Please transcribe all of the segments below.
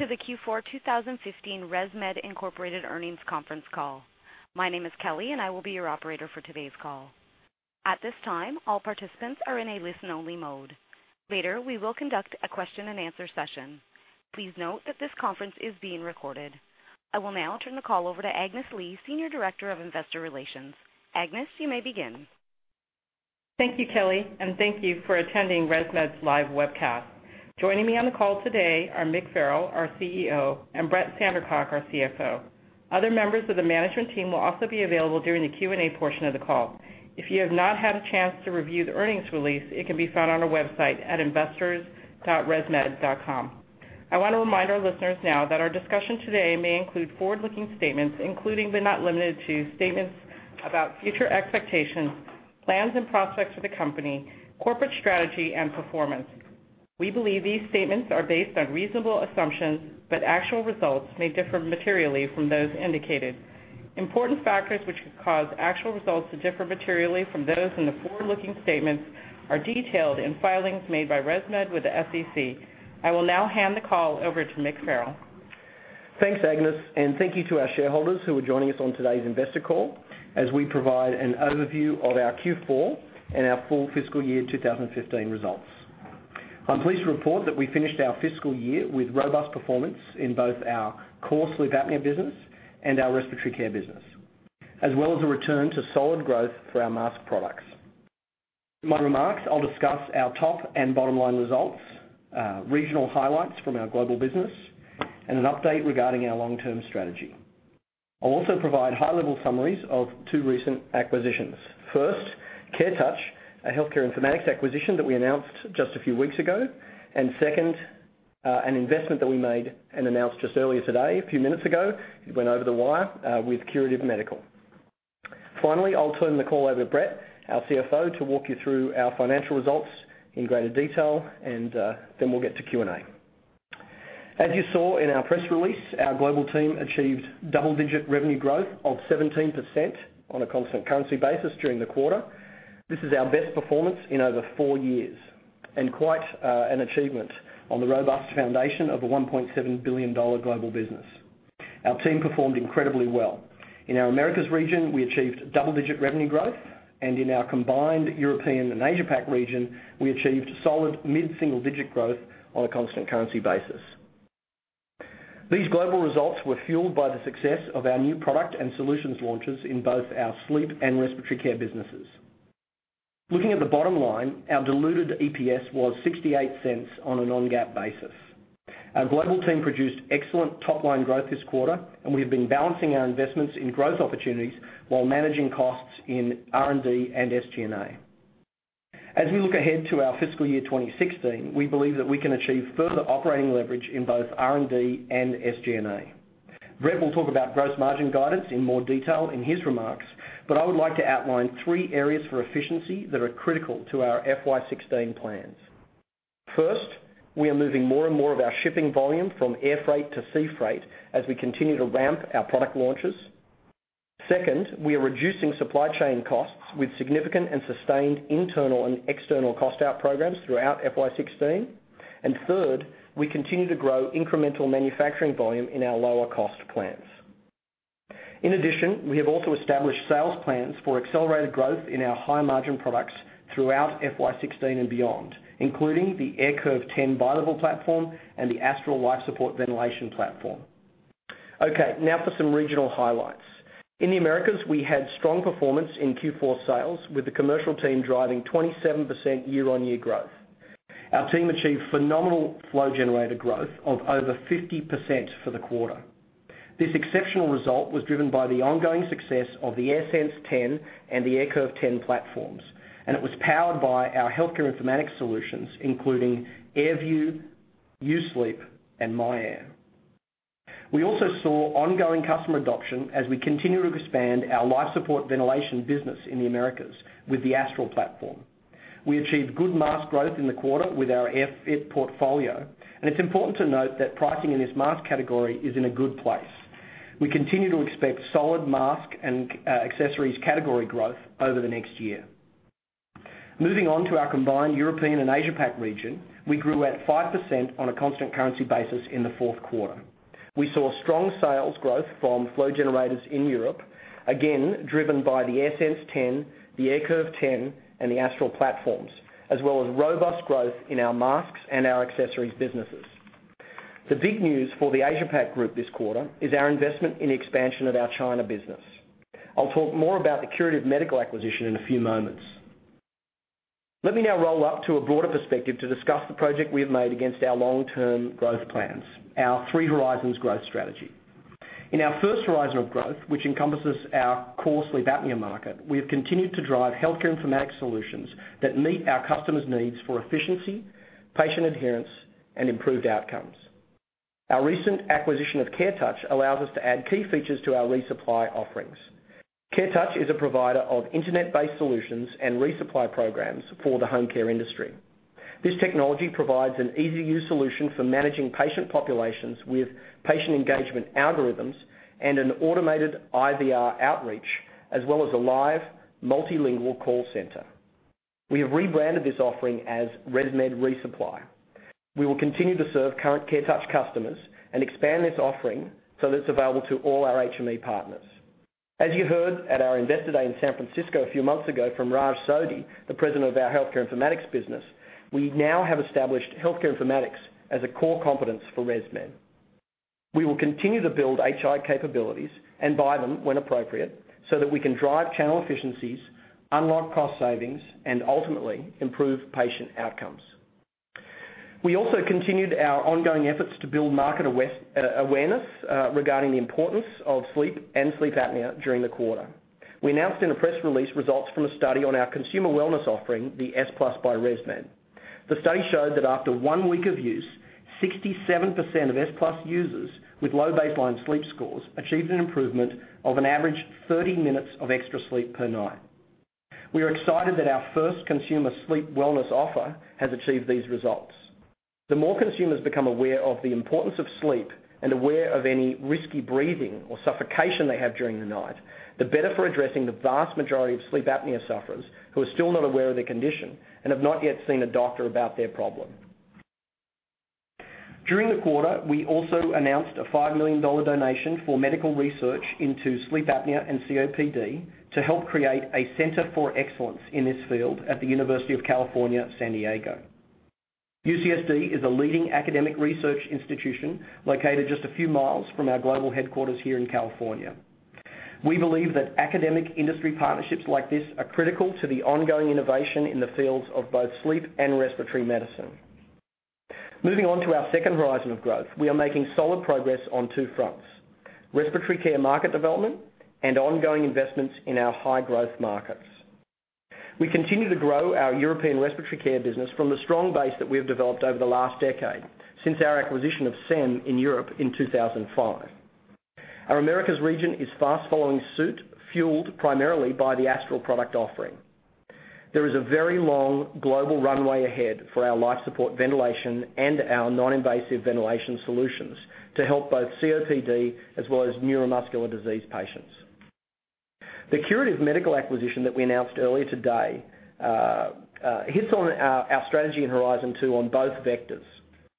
Welcome to the Q4 2015 ResMed Inc. Earnings Conference Call. My name is Kelly, and I will be your operator for today's call. At this time, all participants are in a listen-only mode. Later, we will conduct a question and answer session. Please note that this conference is being recorded. I will now turn the call over to Agnes Lee, Senior Director of Investor Relations. Agnes, you may begin. Thank you, Kelly. Thank you for attending ResMed's live webcast. Joining me on the call today are Michael Farrell, our CEO, and Brett Sandercock, our CFO. Other members of the management team will also be available during the Q&A portion of the call. If you have not had a chance to review the earnings release, it can be found on our website at investors.resmed.com. I want to remind our listeners now that our discussion today may include forward-looking statements, including but not limited to statements about future expectations, plans and prospects for the company, corporate strategy, and performance. We believe these statements are based on reasonable assumptions. Actual results may differ materially from those indicated. Important factors which could cause actual results to differ materially from those in the forward-looking statements are detailed in filings made by ResMed with the SEC. I will now hand the call over to Michael Farrell. Thanks, Agnes. Thank you to our shareholders who are joining us on today's investor call as we provide an overview of our Q4 and our full fiscal year 2015 results. I'm pleased to report that we finished our fiscal year with robust performance in both our core sleep apnea business and our respiratory care business, as well as a return to solid growth for our mask products. In my remarks, I'll discuss our top and bottom-line results, regional highlights from our global business, and an update regarding our long-term strategy. I'll also provide high-level summaries of two recent acquisitions. First, CareTouch, a healthcare informatics acquisition that we announced just a few weeks ago. Second, an investment that we made and announced just earlier today, a few minutes ago, it went over the wire, with Curative Medical. Finally, I'll turn the call over to Brett, our CFO, to walk you through our financial results in greater detail. Then we'll get to Q&A. As you saw in our press release, our global team achieved double-digit revenue growth of 17% on a constant currency basis during the quarter. This is our best performance in over four years and quite an achievement on the robust foundation of a $1.7 billion global business. Our team performed incredibly well. In our Americas region, we achieved double-digit revenue growth. In our combined European and Asia-Pac region, we achieved solid mid-single digit growth on a constant currency basis. These global results were fueled by the success of our new product and solutions launches in both our sleep and respiratory care businesses. Looking at the bottom line, our diluted EPS was $0.68 on a non-GAAP basis. Our global team produced excellent top-line growth this quarter, and we have been balancing our investments in growth opportunities while managing costs in R&D and SG&A. As we look ahead to our fiscal year 2016, we believe that we can achieve further operating leverage in both R&D and SG&A. Brett will talk about gross margin guidance in more detail in his remarks. I would like to outline three areas for efficiency that are critical to our FY 2016 plans. First, we are moving more and more of our shipping volume from air freight to sea freight as we continue to ramp our product launches. Second, we are reducing supply chain costs with significant and sustained internal and external cost-out programs throughout FY 2016. Third, we continue to grow incremental manufacturing volume in our lower cost plants. In addition, we have also established sales plans for accelerated growth in our high-margin products throughout FY 2016 and beyond, including the AirCurve 10 bilevel platform and the Astral Life Support Ventilation platform. Now for some regional highlights. In the Americas, we had strong performance in Q4 sales, with the commercial team driving 27% year-on-year growth. Our team achieved phenomenal flow generator growth of over 50% for the quarter. This exceptional result was driven by the ongoing success of the AirSense 10 and the AirCurve 10 platforms, and it was powered by our healthcare informatics solutions, including AirView, U-Sleep, and myAir. We also saw ongoing customer adoption as we continue to expand our life support ventilation business in the Americas with the Astral platform. We achieved good mask growth in the quarter with our AirFit portfolio, and it's important to note that pricing in this mask category is in a good place. We continue to expect solid mask and accessories category growth over the next year. Moving on to our combined European and Asia-Pac region, we grew at 5% on a constant currency basis in the fourth quarter. We saw strong sales growth from flow generators in Europe, again, driven by the AirSense 10, the AirCurve 10, and the Astral platforms, as well as robust growth in our masks and our accessories businesses. The big news for the Asia-Pac group this quarter is our investment in the expansion of our China business. I'll talk more about the Curative Medical acquisition in a few moments. Let me now roll up to a broader perspective to discuss the progress we have made against our long-term growth plans, our Three Horizons growth strategy. In our first horizon of growth, which encompasses our core sleep apnea market, we have continued to drive healthcare informatics solutions that meet our customers' needs for efficiency, patient adherence, and improved outcomes. Our recent acquisition of CareTouch allows us to add key features to our ReSupply offerings. CareTouch is a provider of internet-based solutions and ReSupply programs for the home care industry. This technology provides an easy-to-use solution for managing patient populations with patient engagement algorithms and an automated IVR outreach, as well as a live multilingual call center. We have rebranded this offering as ResMed ReSupply. We will continue to serve current CareTouch customers and expand this offering so that it's available to all our HME partners. As you heard at our investor day in San Francisco a few months ago from Raj Sodhi, the President of our healthcare informatics business, we now have established healthcare informatics as a core competence for ResMed. We will continue to build HI capabilities and buy them when appropriate so that we can drive channel efficiencies, unlock cost savings, and ultimately, improve patient outcomes. We also continued our ongoing efforts to build market awareness regarding the importance of sleep and sleep apnea during the quarter. We announced in a press release results from a study on our consumer wellness offering, the S+ by ResMed. The study showed that after one week of use, 67% of S+ users with low baseline sleep scores achieved an improvement of an average 30 minutes of extra sleep per night. We are excited that our first consumer sleep wellness offer has achieved these results. The more consumers become aware of the importance of sleep and aware of any risky breathing or suffocation they have during the night, the better for addressing the vast majority of sleep apnea sufferers who are still not aware of their condition and have not yet seen a doctor about their problem. During the quarter, we also announced a $5 million donation for medical research into sleep apnea and COPD to help create a center for excellence in this field at the University of California, San Diego. UCSD is a leading academic research institution located just a few miles from our global headquarters here in California. We believe that academic industry partnerships like this are critical to the ongoing innovation in the fields of both sleep and respiratory medicine. Moving on to our second horizon of growth, we are making solid progress on two fronts, respiratory care market development and ongoing investments in our high-growth markets. We continue to grow our European respiratory care business from the strong base that we have developed over the last decade since our acquisition of Saime in Europe in 2005. Our Americas region is fast following suit, fueled primarily by the Astral product offering. There is a very long global runway ahead for our life support ventilation and our non-invasive ventilation solutions to help both COPD as well as neuromuscular disease patients. The Curative Medical acquisition that we announced earlier today hits on our strategy in horizon 2 on both vectors.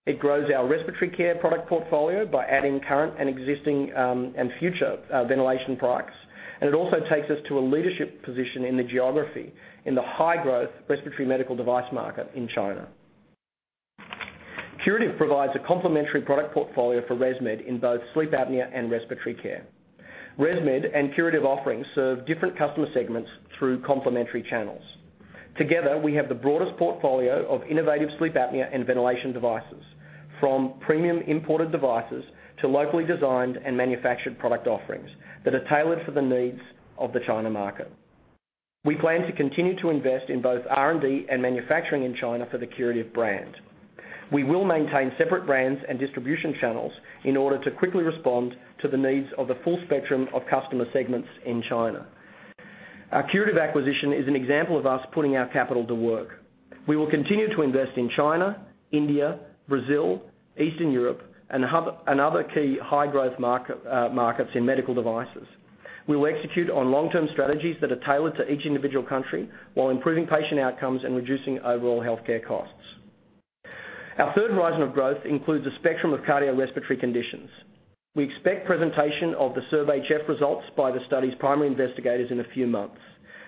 It grows our respiratory care product portfolio by adding current and existing and future ventilation products. It also takes us to a leadership position in the geography in the high-growth respiratory medical device market in China. Curative provides a complementary product portfolio for ResMed in both sleep apnea and respiratory care. ResMed and Curative offerings serve different customer segments through complementary channels. Together, we have the broadest portfolio of innovative sleep apnea and ventilation devices, from premium imported devices to locally designed and manufactured product offerings that are tailored for the needs of the China market. We plan to continue to invest in both R&D and manufacturing in China for the Curative brand. We will maintain separate brands and distribution channels in order to quickly respond to the needs of the full spectrum of customer segments in China. Our Curative acquisition is an example of us putting our capital to work. We will continue to invest in China, India, Brazil, Eastern Europe, and other key high-growth markets in medical devices. We will execute on long-term strategies that are tailored to each individual country while improving patient outcomes and reducing overall healthcare costs. Our third horizon of growth includes a spectrum of cardiorespiratory conditions. We expect presentation of the SERVE-HF results by the study's primary investigators in a few months.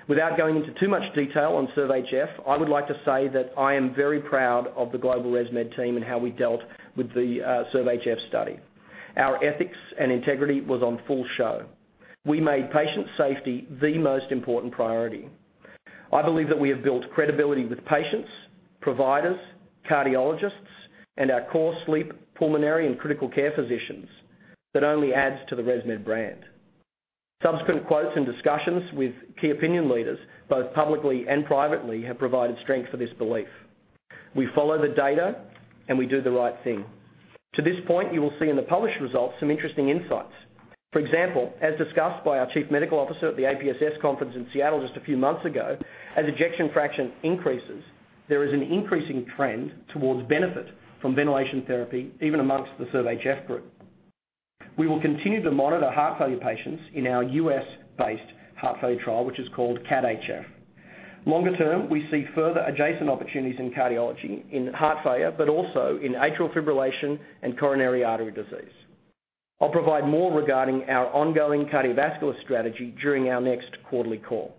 Without going into too much detail on SERVE-HF, I would like to say that I am very proud of the global ResMed team and how we dealt with the SERVE-HF study. Our ethics and integrity was on full show. We made patient safety the most important priority. I believe that we have built credibility with patients, providers, cardiologists, and our core sleep, pulmonary, and critical care physicians that only adds to the ResMed brand. Subsequent quotes and discussions with key opinion leaders, both publicly and privately, have provided strength for this belief. We follow the data, and we do the right thing. To this point, you will see in the published results some interesting insights. For example, as discussed by our chief medical officer at the APSS conference in Seattle just a few months ago, as ejection fraction increases, there is an increasing trend towards benefit from ventilation therapy, even amongst the SERVE-HF group. We will continue to monitor heart failure patients in our U.S.-based heart failure trial, which is called CAT-HF. Longer term, we see further adjacent opportunities in cardiology in heart failure but also in atrial fibrillation and coronary artery disease. I'll provide more regarding our ongoing cardiovascular strategy during our next quarterly call.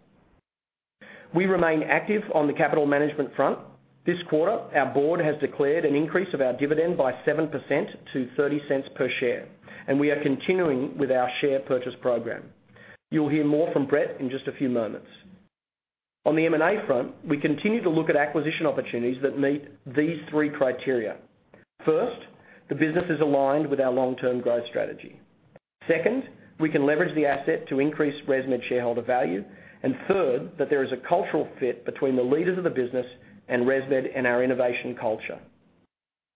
We remain active on the capital management front. This quarter, our board has declared an increase of our dividend by 7% to $0.30 per share. We are continuing with our share purchase program. You'll hear more from Brett in just a few moments. On the M&A front, we continue to look at acquisition opportunities that meet these three criteria. First, the business is aligned with our long-term growth strategy. Second, we can leverage the asset to increase ResMed shareholder value. Third, that there is a cultural fit between the leaders of the business and ResMed and our innovation culture.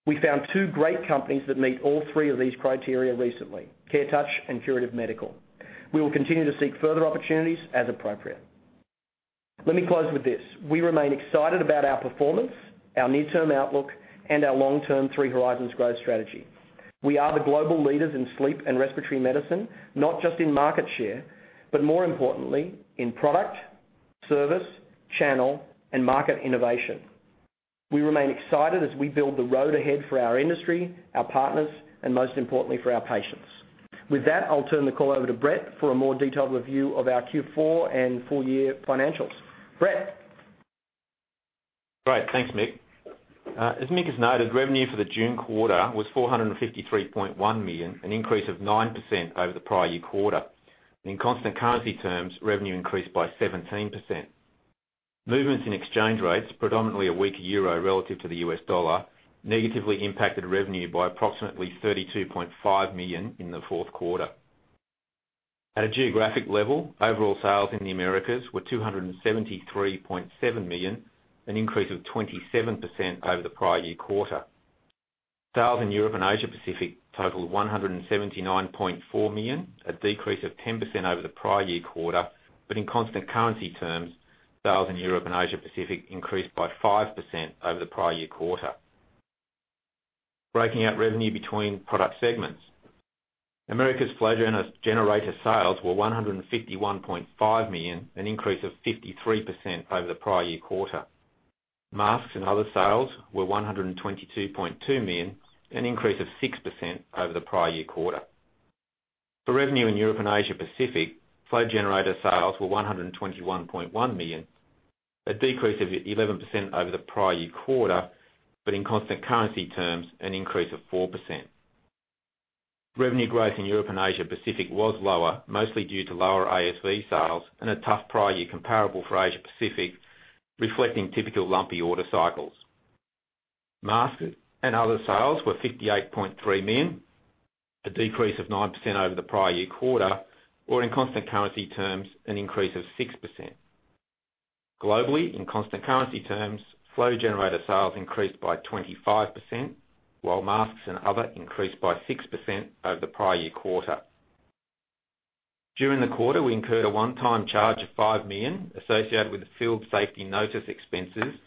We found two great companies that meet all three of these criteria recently, CareTouch and Curative Medical. We will continue to seek further opportunities as appropriate. Let me close with this. We remain excited about our performance, our near-term outlook, and our long-term three horizons growth strategy. We are the global leaders in sleep and respiratory medicine, not just in market share, but more importantly, in product, service, channel, and market innovation. We remain excited as we build the road ahead for our industry, our partners, and most importantly for our patients. With that, I'll turn the call over to Brett for a more detailed review of our Q4 and full year financials. Brett? Great. Thanks, Mick. As Mick has noted, revenue for the June quarter was $453.1 million, an increase of 9% over the prior year quarter. In constant currency terms, revenue increased by 17%. Movements in exchange rates, predominantly a weak EUR relative to the US dollar, negatively impacted revenue by approximately $32.5 million in the fourth quarter. At a geographic level, overall sales in the Americas were $273.7 million, an increase of 27% over the prior year quarter. Sales in Europe and Asia Pacific totaled $179.4 million, a decrease of 10% over the prior year quarter. In constant currency terms, sales in Europe and Asia Pacific increased by 5% over the prior year quarter. Breaking out revenue between product segments. Americas flow generator sales were $151.5 million, an increase of 53% over the prior year quarter. Masks and other sales were $122.2 million, an increase of 6% over the prior year quarter. For revenue in Europe and Asia Pacific, flow generator sales were $121.1 million, a decrease of 11% over the prior year quarter. In constant currency terms, an increase of 4%. Revenue growth in Europe and Asia Pacific was lower, mostly due to lower ASV sales and a tough prior year comparable for Asia Pacific, reflecting typical lumpy order cycles. Masks and other sales were $58.3 million, a decrease of 9% over the prior year quarter, or in constant currency terms, an increase of 6%. Globally, in constant currency terms, flow generator sales increased by 25%, while masks and other increased by 6% over the prior year quarter. During the quarter, we incurred a one-time charge of $5 million, associated with the field safety notice expenses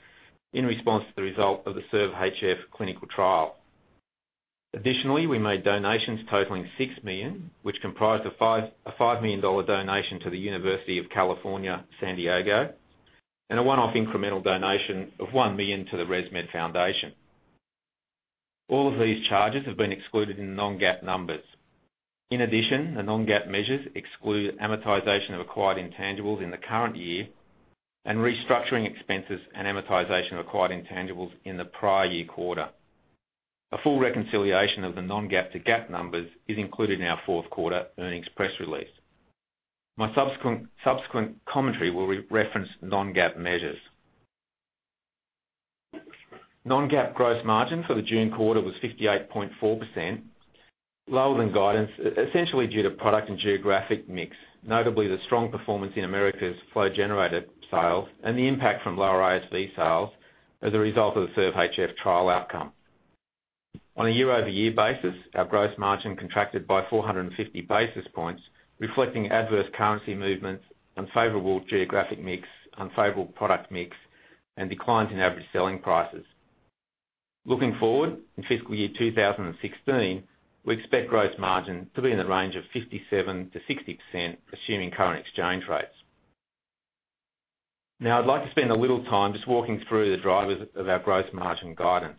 in response to the result of the SERVE-HF clinical trial. Additionally, we made donations totaling $6 million, which comprised a $5 million donation to the University of California, San Diego, and a one-off incremental donation of $1 million to the ResMed Foundation. All of these charges have been excluded in non-GAAP numbers. In addition, the non-GAAP measures exclude amortization of acquired intangibles in the current year and restructuring expenses and amortization of acquired intangibles in the prior year quarter. A full reconciliation of the non-GAAP to GAAP numbers is included in our fourth quarter earnings press release. My subsequent commentary will reference non-GAAP measures. Non-GAAP gross margin for the June quarter was 58.4%, lower than guidance, essentially due to product and geographic mix, notably the strong performance in Americas' flow generator sales and the impact from lower ASV sales as a result of the SERVE-HF trial outcome. On a year-over-year basis, our gross margin contracted by 450 basis points, reflecting adverse currency movements, unfavorable geographic mix, unfavorable product mix, and declines in average selling prices. Looking forward, in fiscal year 2016, we expect gross margin to be in the range of 57%-60%, assuming current exchange rates. I'd like to spend a little time just walking through the drivers of our gross margin guidance.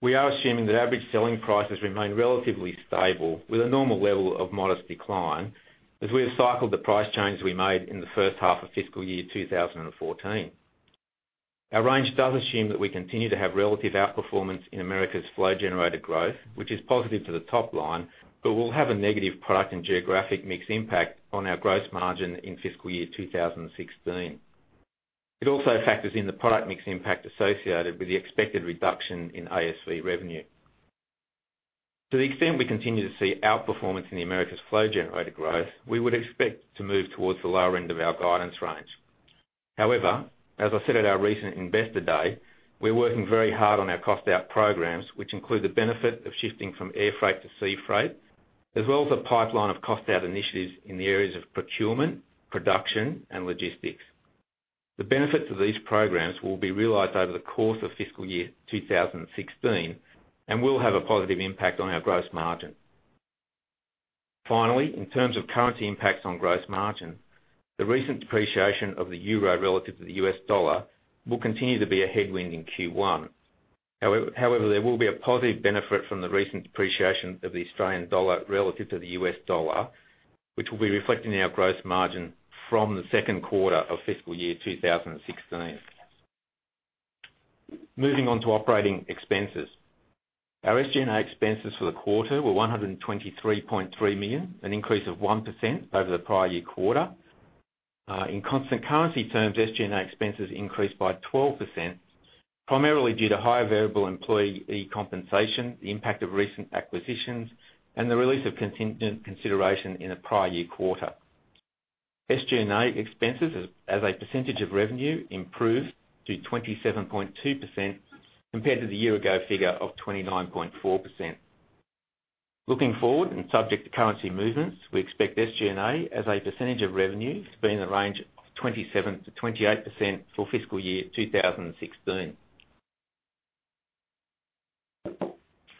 We are assuming that average selling prices remain relatively stable with a normal level of modest decline as we have cycled the price change we made in the first half of fiscal year 2014. Our range does assume that we continue to have relative outperformance in Americas flow generator growth, which is positive to the top line, but will have a negative product and geographic mix impact on our gross margin in fiscal year 2016. It also factors in the product mix impact associated with the expected reduction in ASV revenue. To the extent we continue to see outperformance in the Americas flow generator growth, we would expect to move towards the lower end of our guidance range. As I said at our recent investor day, we're working very hard on our cost-out programs, which include the benefit of shifting from air freight to sea freight, as well as a pipeline of cost-out initiatives in the areas of procurement, production, and logistics. The benefits of these programs will be realized over the course of fiscal year 2016 and will have a positive impact on our gross margin. In terms of currency impacts on gross margin, the recent depreciation of the euro relative to the U.S. dollar will continue to be a headwind in Q1. There will be a positive benefit from the recent depreciation of the Australian dollar relative to the U.S. dollar, which will be reflected in our gross margin from the second quarter of fiscal year 2016. Moving on to operating expenses. Our SG&A expenses for the quarter were $123.3 million, an increase of 1% over the prior year quarter. In constant currency terms, SG&A expenses increased by 12%, primarily due to higher variable employee compensation, the impact of recent acquisitions, and the release of contingent consideration in the prior year quarter. SG&A expenses as a percentage of revenue improved to 27.2%, compared to the year ago figure of 29.4%. Looking forward and subject to currency movements, we expect SG&A as a percentage of revenue to be in the range of 27%-28% for fiscal year 2016.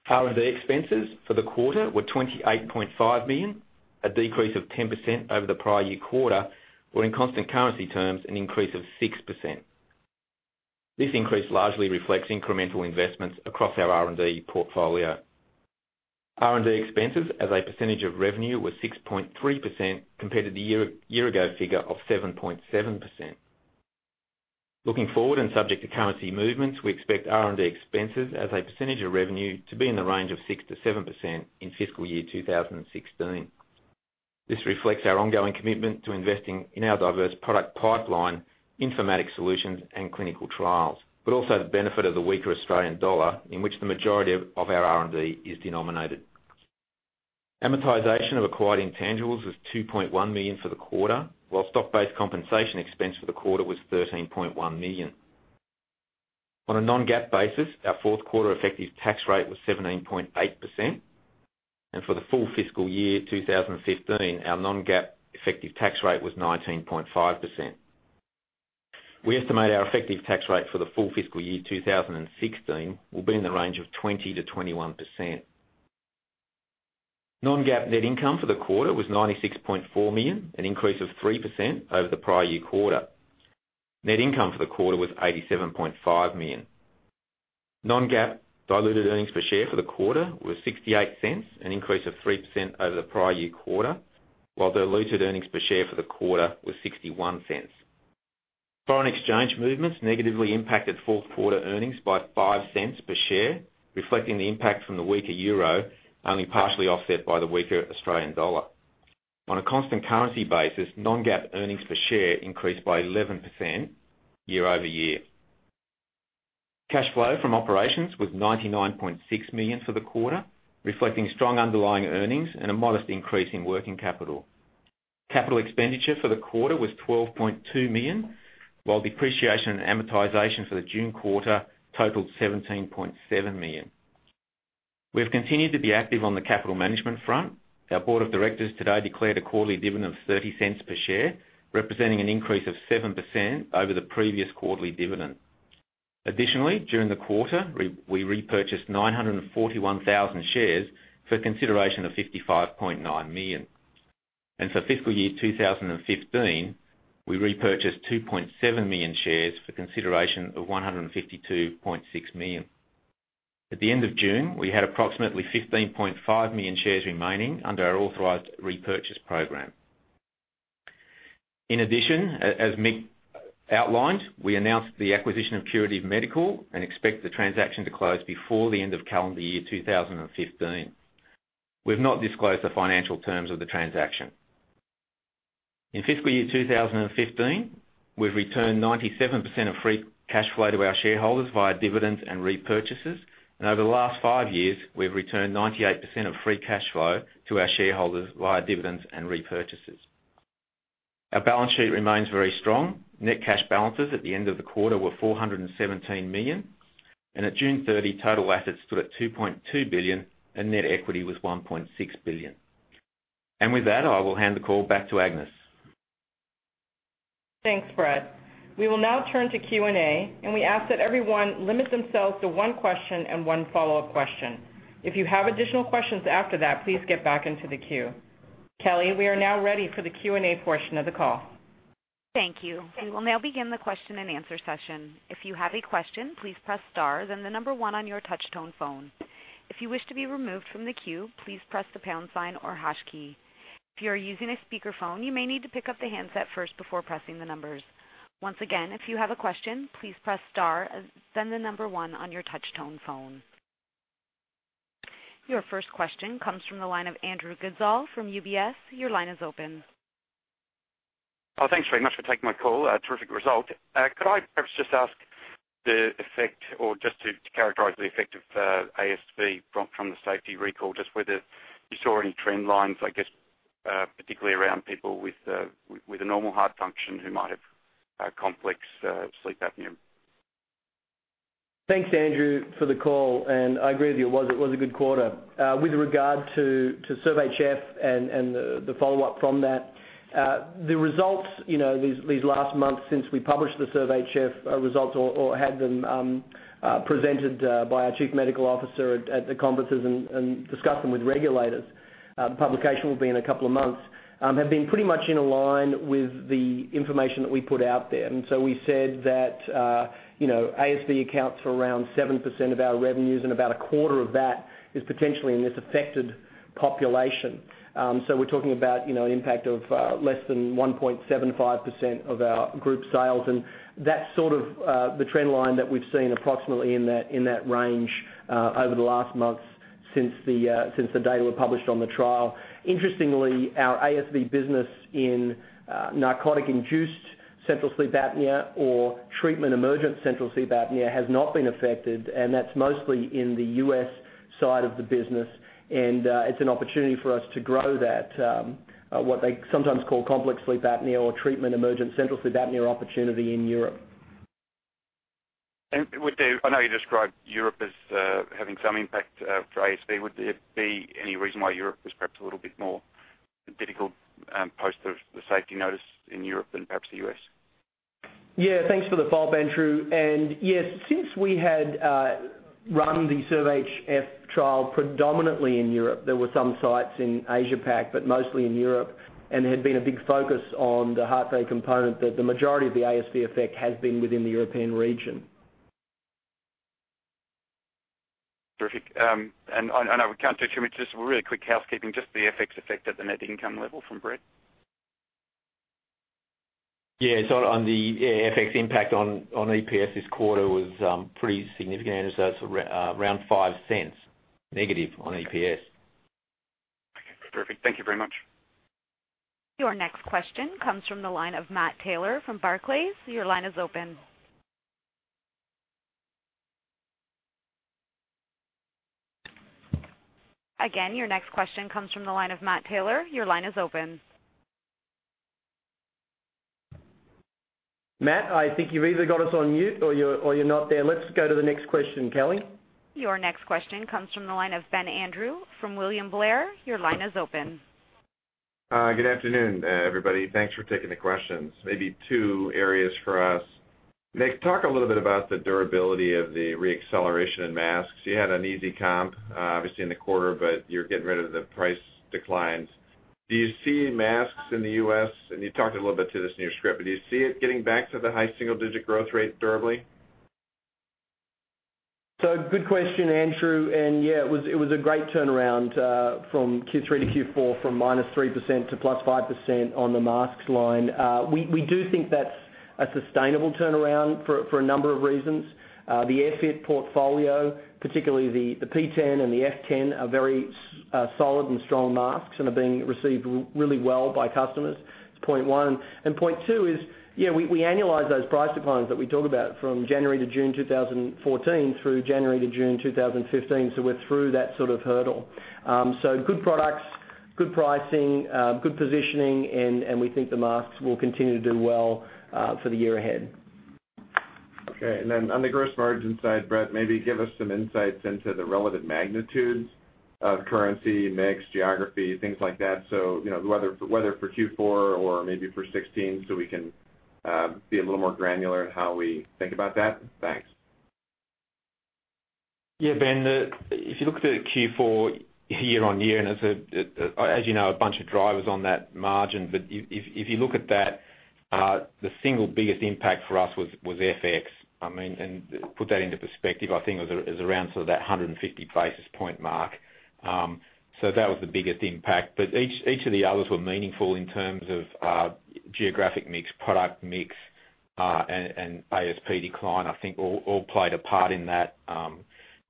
R&D expenses for the quarter were $28.5 million, a decrease of 10% over the prior year quarter, or in constant currency terms, an increase of 6%. This increase largely reflects incremental investments across our R&D portfolio. R&D expenses as a percentage of revenue were 6.3%, compared to the year ago figure of 7.7%. Looking forward and subject to currency movements, we expect R&D expenses as a percentage of revenue to be in the range of 6%-7% in fiscal year 2016. This reflects our ongoing commitment to investing in our diverse product pipeline, informatics solutions, and clinical trials, but also the benefit of the weaker Australian dollar, in which the majority of our R&D is denominated. Amortization of acquired intangibles was $2.1 million for the quarter, while stock-based compensation expense for the quarter was $13.1 million. On a non-GAAP basis, our fourth quarter effective tax rate was 17.8%, and for the full fiscal year 2015, our non-GAAP effective tax rate was 19.5%. We estimate our effective tax rate for the full fiscal year 2016 will be in the range of 20%-21%. Non-GAAP net income for the quarter was $96.4 million, an increase of 3% over the prior year quarter. Net income for the quarter was $87.5 million. Non-GAAP diluted earnings per share for the quarter were $0.68, an increase of 3% over the prior year quarter, while diluted earnings per share for the quarter were $0.61. Foreign exchange movements negatively impacted fourth quarter earnings by $0.05 per share, reflecting the impact from the weaker EUR, only partially offset by the weaker Australian dollar. On a constant currency basis, non-GAAP earnings per share increased by 11% year-over-year. Cash flow from operations was $99.6 million for the quarter, reflecting strong underlying earnings and a modest increase in working capital. Capital expenditure for the quarter was $12.2 million, while depreciation and amortization for the June quarter totaled $17.7 million. We have continued to be active on the capital management front. Our board of directors today declared a quarterly dividend of $0.30 per share, representing an increase of 7% over the previous quarterly dividend. Additionally, during the quarter, we repurchased 941,000 shares for consideration of $55.9 million. For fiscal year 2015, we repurchased 2.7 million shares for consideration of $152.6 million. At the end of June, we had approximately 15.5 million shares remaining under our authorized repurchase program. In addition, as Mick outlined, we announced the acquisition of Purity Medical and expect the transaction to close before the end of calendar year 2015. We've not disclosed the financial terms of the transaction. In fiscal year 2015, we've returned 97% of free cash flow to our shareholders via dividends and repurchases. Over the last five years, we've returned 98% of free cash flow to our shareholders via dividends and repurchases. Our balance sheet remains very strong. Net cash balances at the end of the quarter were $417 million, and at June 30, total assets stood at $2.2 billion and net equity was $1.6 billion. With that, I will hand the call back to Agnes. Thanks, Brett. We will now turn to Q&A, and we ask that everyone limit themselves to one question and one follow-up question. If you have additional questions after that, please get back into the queue. Kelly, we are now ready for the Q&A portion of the call. Thank you. We will now begin the question and answer session. If you have a question, please press star, then the number one on your touch tone phone. If you wish to be removed from the queue, please press the pound sign or hash key. If you are using a speakerphone, you may need to pick up the handset first before pressing the numbers. Once again, if you have a question, please press star, then the number one on your touch tone phone. Your first question comes from the line of Andrew Goodsall from UBS. Your line is open. Thanks very much for taking my call. Terrific result. Could I perhaps just ask the effect or just to characterize the effect of ASV from the safety recall, just whether you saw any trend lines, I guess, particularly around people with a normal heart function who might have complex sleep apnea? Thanks, Andrew, for the call, and I agree with you, it was a good quarter. With regard to SERVE-HF and the follow-up from that, the results these last months since we published the SERVE-HF results or had them presented by our chief medical officer at the conferences and discussed them with regulators, publication will be in a couple of months, have been pretty much in a line with the information that we put out there. We said that ASV accounts for around 7% of our revenues, and about a quarter of that is potentially in this affected population. So we're talking about an impact of less than 1.75% of our group sales. That's sort of the trend line that we've seen approximately in that range over the last months since the data were published on the trial. Interestingly, our ASV business in narcotic-induced central sleep apnea or treatment emergent central sleep apnea has not been affected, and that's mostly in the U.S. side of the business, and it's an opportunity for us to grow that, what they sometimes call complex sleep apnea or treatment emergent central sleep apnea opportunity in Europe. Would there – I know you described Europe as having some impact for ASV. Would there be any reason why Europe was perhaps a little bit more difficult post the safety notice in Europe than perhaps the U.S.? Yeah, thanks for the follow-up, Andrew. Yes, since we had run the SERVE-HF trial predominantly in Europe, there were some sites in Asia-Pac, but mostly in Europe, and had been a big focus on the heart failure component that the majority of the ASV effect has been within the European region. Terrific. I know we can't do too much, just really quick housekeeping, just the FX effect at the net income level from Brett. Yeah. On the FX impact on EPS this quarter was pretty significant. It's around $0.05 negative on EPS. Okay. Terrific. Thank you very much. Your next question comes from the line of Matt Taylor from Barclays. Your line is open. Again, your next question comes from the line of Matt Taylor. Your line is open. Matt, I think you've either got us on mute or you're not there. Let's go to the next question, Kelly. Your next question comes from the line of Ben Andrews from William Blair. Your line is open. Good afternoon, everybody. Thanks for taking the questions. Maybe two areas for us. Mick, talk a little bit about the durability of the re-acceleration in masks. You had an easy comp, obviously, in the quarter, but you're getting rid of the price declines. Do you see masks in the U.S., and you talked a little bit to this in your script, but do you see it getting back to the high single-digit growth rate durably? Good question, Andrew, and yeah, it was a great turnaround, from Q3 to Q4 from -3% to +5% on the masks line. We do think that's a sustainable turnaround for a number of reasons. The AirFit portfolio, particularly the P10 and the F10, are very solid and strong masks and are being received really well by customers. That's point 1. Point 2 is, yeah, we annualize those price declines that we talk about from January to June 2014 through January to June 2015. We're through that sort of hurdle. Good products, good pricing, good positioning, and we think the masks will continue to do well for the year ahead. Okay. Then on the gross margin side, Brett, maybe give us some insights into the relative magnitudes of currency, mix, geography, things like that. Whether for Q4 or maybe for 2016, we can be a little more granular in how we think about that. Thanks. Ben, if you look at Q4 year-over-year, as you know, a bunch of drivers on that margin, if you look at that, the single biggest impact for us was FX. Put that into perspective, I think it was around sort of that 150 basis points mark. That was the biggest impact, but each of the others were meaningful in terms of geographic mix, product mix, and ASP decline, I think all played a part in that.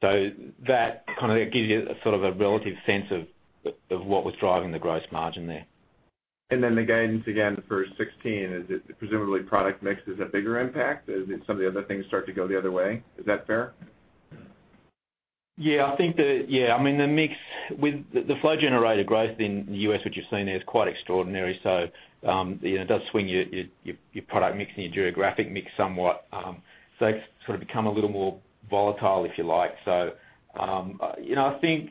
That kind of gives you a sort of a relative sense of what was driving the gross margin there. The guidance, again, for FY 2016, is it presumably product mix is a bigger impact? Some of the other things start to go the other way. Is that fair? The mix with the flow generator growth in the U.S., which you've seen there, is quite extraordinary. It does swing your product mix and your geographic mix somewhat. It's sort of become a little more volatile, if you like. I think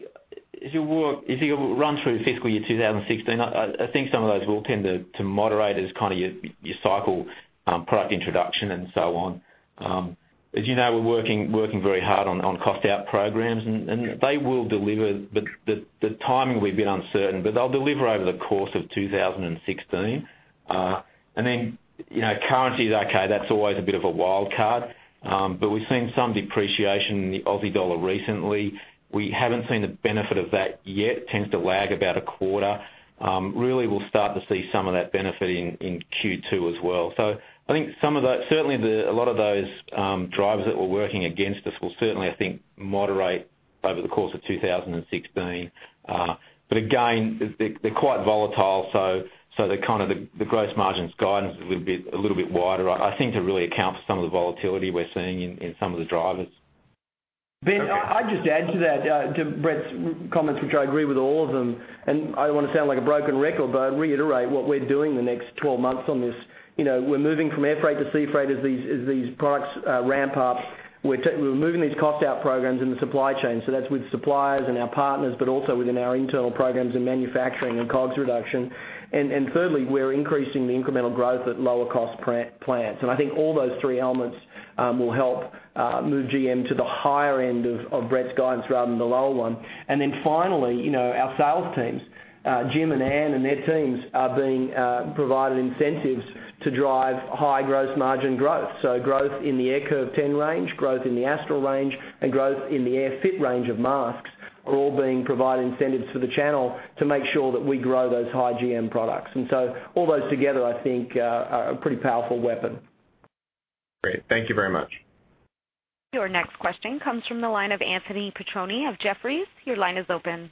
as you run through fiscal year 2016, I think some of those will tend to moderate as kind of your cycle product introduction and so on. As you know, we're working very hard on cost-out programs, they will deliver, the timing will be uncertain. They'll deliver over the course of 2016. Currency is okay. That's always a bit of a wildcard. We've seen some depreciation in the Aussie dollar recently. We haven't seen the benefit of that yet. Tends to lag about a quarter. Really, we'll start to see some of that benefit in Q2 as well. I think some of that, certainly a lot of those drivers that were working against us will certainly, I think, moderate over the course of 2016. Again, they're quite volatile, the kind of the gross margins guidance will be a little bit wider, I think, to really account for some of the volatility we're seeing in some of the drivers. Okay. Ben, I'd just add to that, to Brett's comments, which I agree with all of them, and I don't want to sound like a broken record, but reiterate what we're doing in the next 12 months on this. We're moving from air freight to sea freight as these products ramp up. We're moving these cost-out programs in the supply chain. That's with suppliers and our partners, but also within our internal programs in manufacturing and COGS reduction. Thirdly, we're increasing the incremental growth at lower cost plants. I think all those three elements will help move GM to the higher end of Brett's guidance rather than the lower one. Finally, our sales teams, Jim and Anne and their teams are being provided incentives to drive high gross margin growth. Growth in the AirCurve 10 range, growth in the Astral range, and growth in the AirFit range of masks are all being provided incentives for the channel to make sure that we grow those high GM products. All those together, I think, are a pretty powerful weapon. Great. Thank you very much. Your next question comes from the line of Anthony Petrone of Jefferies. Your line is open.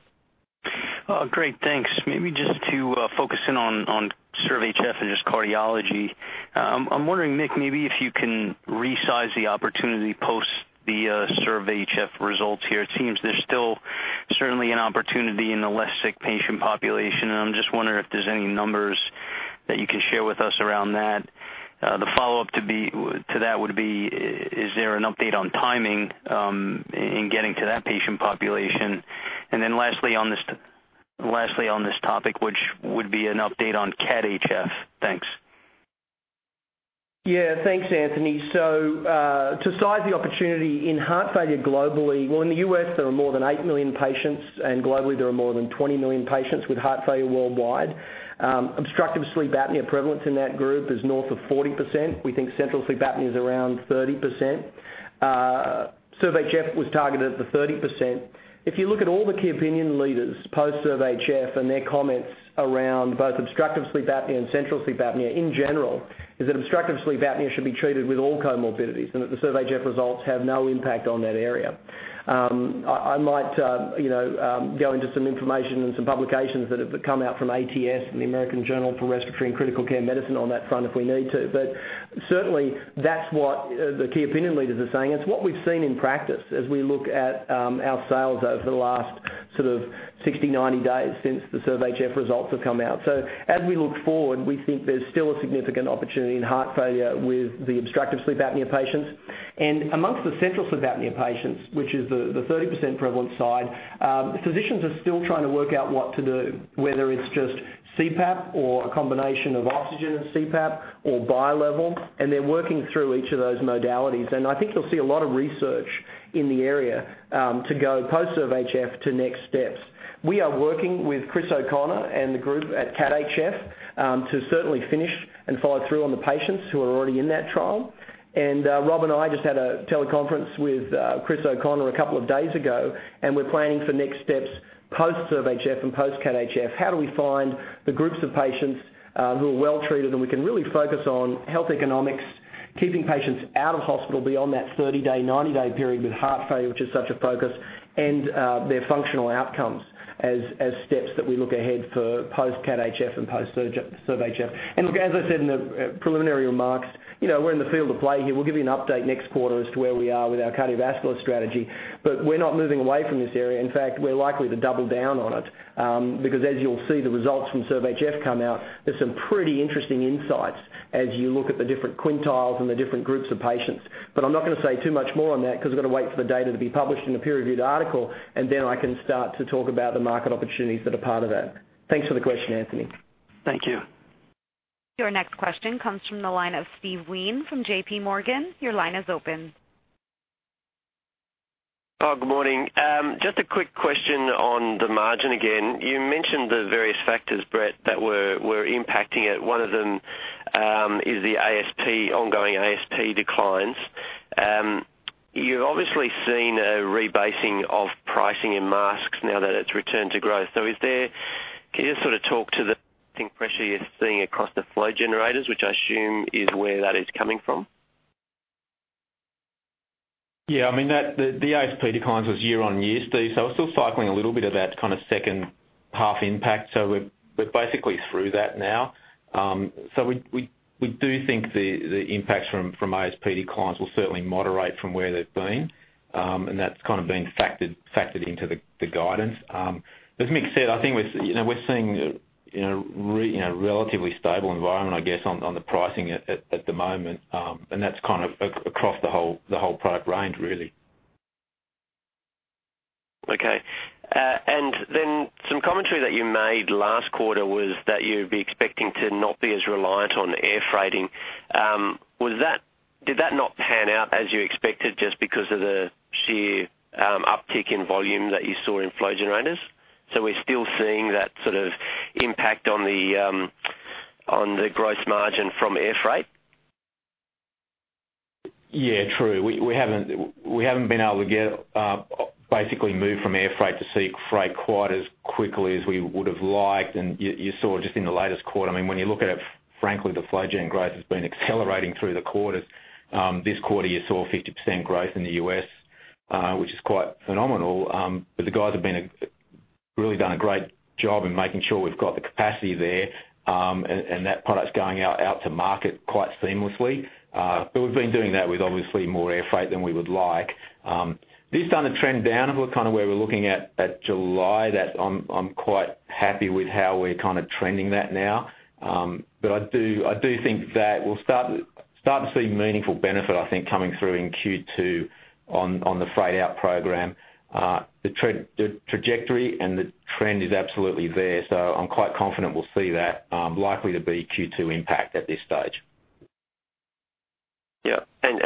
Great. Thanks. Maybe just to focus in on SERVE-HF and just cardiology. I'm wondering, Mick, maybe if you can resize the opportunity post the SERVE-HF results here. It seems there's still certainly an opportunity in the less sick patient population, and I'm just wondering if there's any numbers that you can share with us around that. The follow-up to that would be, is there an update on timing in getting to that patient population? Lastly on this topic, which would be an update on CAT-HF. Thanks. Yeah. Thanks, Anthony. To size the opportunity in heart failure globally, well, in the U.S. there are more than 8 million patients, and globally there are more than 20 million patients with heart failure worldwide. Obstructive sleep apnea prevalence in that group is north of 40%. We think central sleep apnea is around 30%. SERVE-HF was targeted at the 30%. If you look at all the key opinion leaders, post SERVE-HF and their comments around both obstructive sleep apnea and central sleep apnea in general, is that obstructive sleep apnea should be treated with all comorbidities, and that the SERVE-HF results have no impact on that area. I might go into some information and some publications that have come out from ATS and the American Journal of Respiratory and Critical Care Medicine on that front if we need to. But certainly, that's what the key opinion leaders are saying. It's what we've seen in practice as we look at our sales over the last sort of 60, 90 days since the SERVE-HF results have come out. As we look forward, we think there's still a significant opportunity in heart failure with the obstructive sleep apnea patients. Amongst the central sleep apnea patients, which is the 30% prevalent side, physicians are still trying to work out what to do, whether it's just CPAP or a combination of oxygen and CPAP or bilevel, and they're working through each of those modalities. I think you'll see a lot of research in the area, to go post SERVE-HF to next steps. We are working with Chris O'Connor and the group at CAT-HF, to certainly finish and follow through on the patients who are already in that trial. Rob and I just had a teleconference with Chris O'Connor a couple of days ago, and we're planning for next steps post SERVE-HF and post CAT-HF. How do we find the groups of patients who are well-treated, and we can really focus on health economics, keeping patients out of hospital beyond that 30-day, 90-day period with heart failure, which is such a focus, and their functional outcomes as steps that we look ahead for post CAT-HF and post SERVE-HF. Look, as I said in the preliminary remarks, we're in the field of play here. We'll give you an update next quarter as to where we are with our cardiovascular strategy, but we're not moving away from this area. In fact, we're likely to double down on it, because as you'll see the results from SERVE-HF come out, there's some pretty interesting insights as you look at the different quintiles and the different groups of patients. I'm not going to say too much more on that because we've got to wait for the data to be published in a peer-reviewed article, I can start to talk about the market opportunities that are part of that. Thanks for the question, Anthony. Thank you. Your next question comes from the line of Steve Wheen from JPMorgan. Your line is open. Good morning. Just a quick question on the margin again. You mentioned the various factors, Brett, that were impacting it. One of them is the ongoing ASP declines. You've obviously seen a rebasing of pricing in masks now that it's returned to growth. Can you just sort of talk to the pricing pressure you're seeing across the flow generators, which I assume is where that is coming from? Yeah. I mean, the ASP declines were year-over-year, Steve, we're still cycling a little bit of that kind of second half impact. We're basically through that now. We do think the impact from ASP declines will certainly moderate from where they've been. That's kind of been factored into the guidance. As Mick said, I think we're seeing a relatively stable environment, I guess, on the pricing at the moment. That's kind of across the whole product range, really. Okay. Some commentary that you made last quarter was that you'd be expecting to not be as reliant on air freighting. Did that not pan out as you expected just because of the sheer uptick in volume that you saw in flow generators? We're still seeing that sort of impact on the gross margin from air freight? Yeah, true. We haven't been able to basically move from air freight to sea freight quite as quickly as we would've liked. You saw just in the latest quarter, I mean, when you look at, frankly, the flow gen growth has been accelerating through the quarters. This quarter, you saw 50% growth in the U.S., which is quite phenomenal. The guys have really done a great job in making sure we've got the capacity there, and that product's going out to market quite seamlessly. We've been doing that with obviously more air freight than we would like. This is on a trend down. We're kind of where we're looking at July, that I'm quite happy with how we're kind of trending that now. I do think that we'll start to see meaningful benefit, I think, coming through in Q2 on the freight out program. The trajectory and the trend is absolutely there, I'm quite confident we'll see that, likely to be Q2 impact at this stage. Yeah.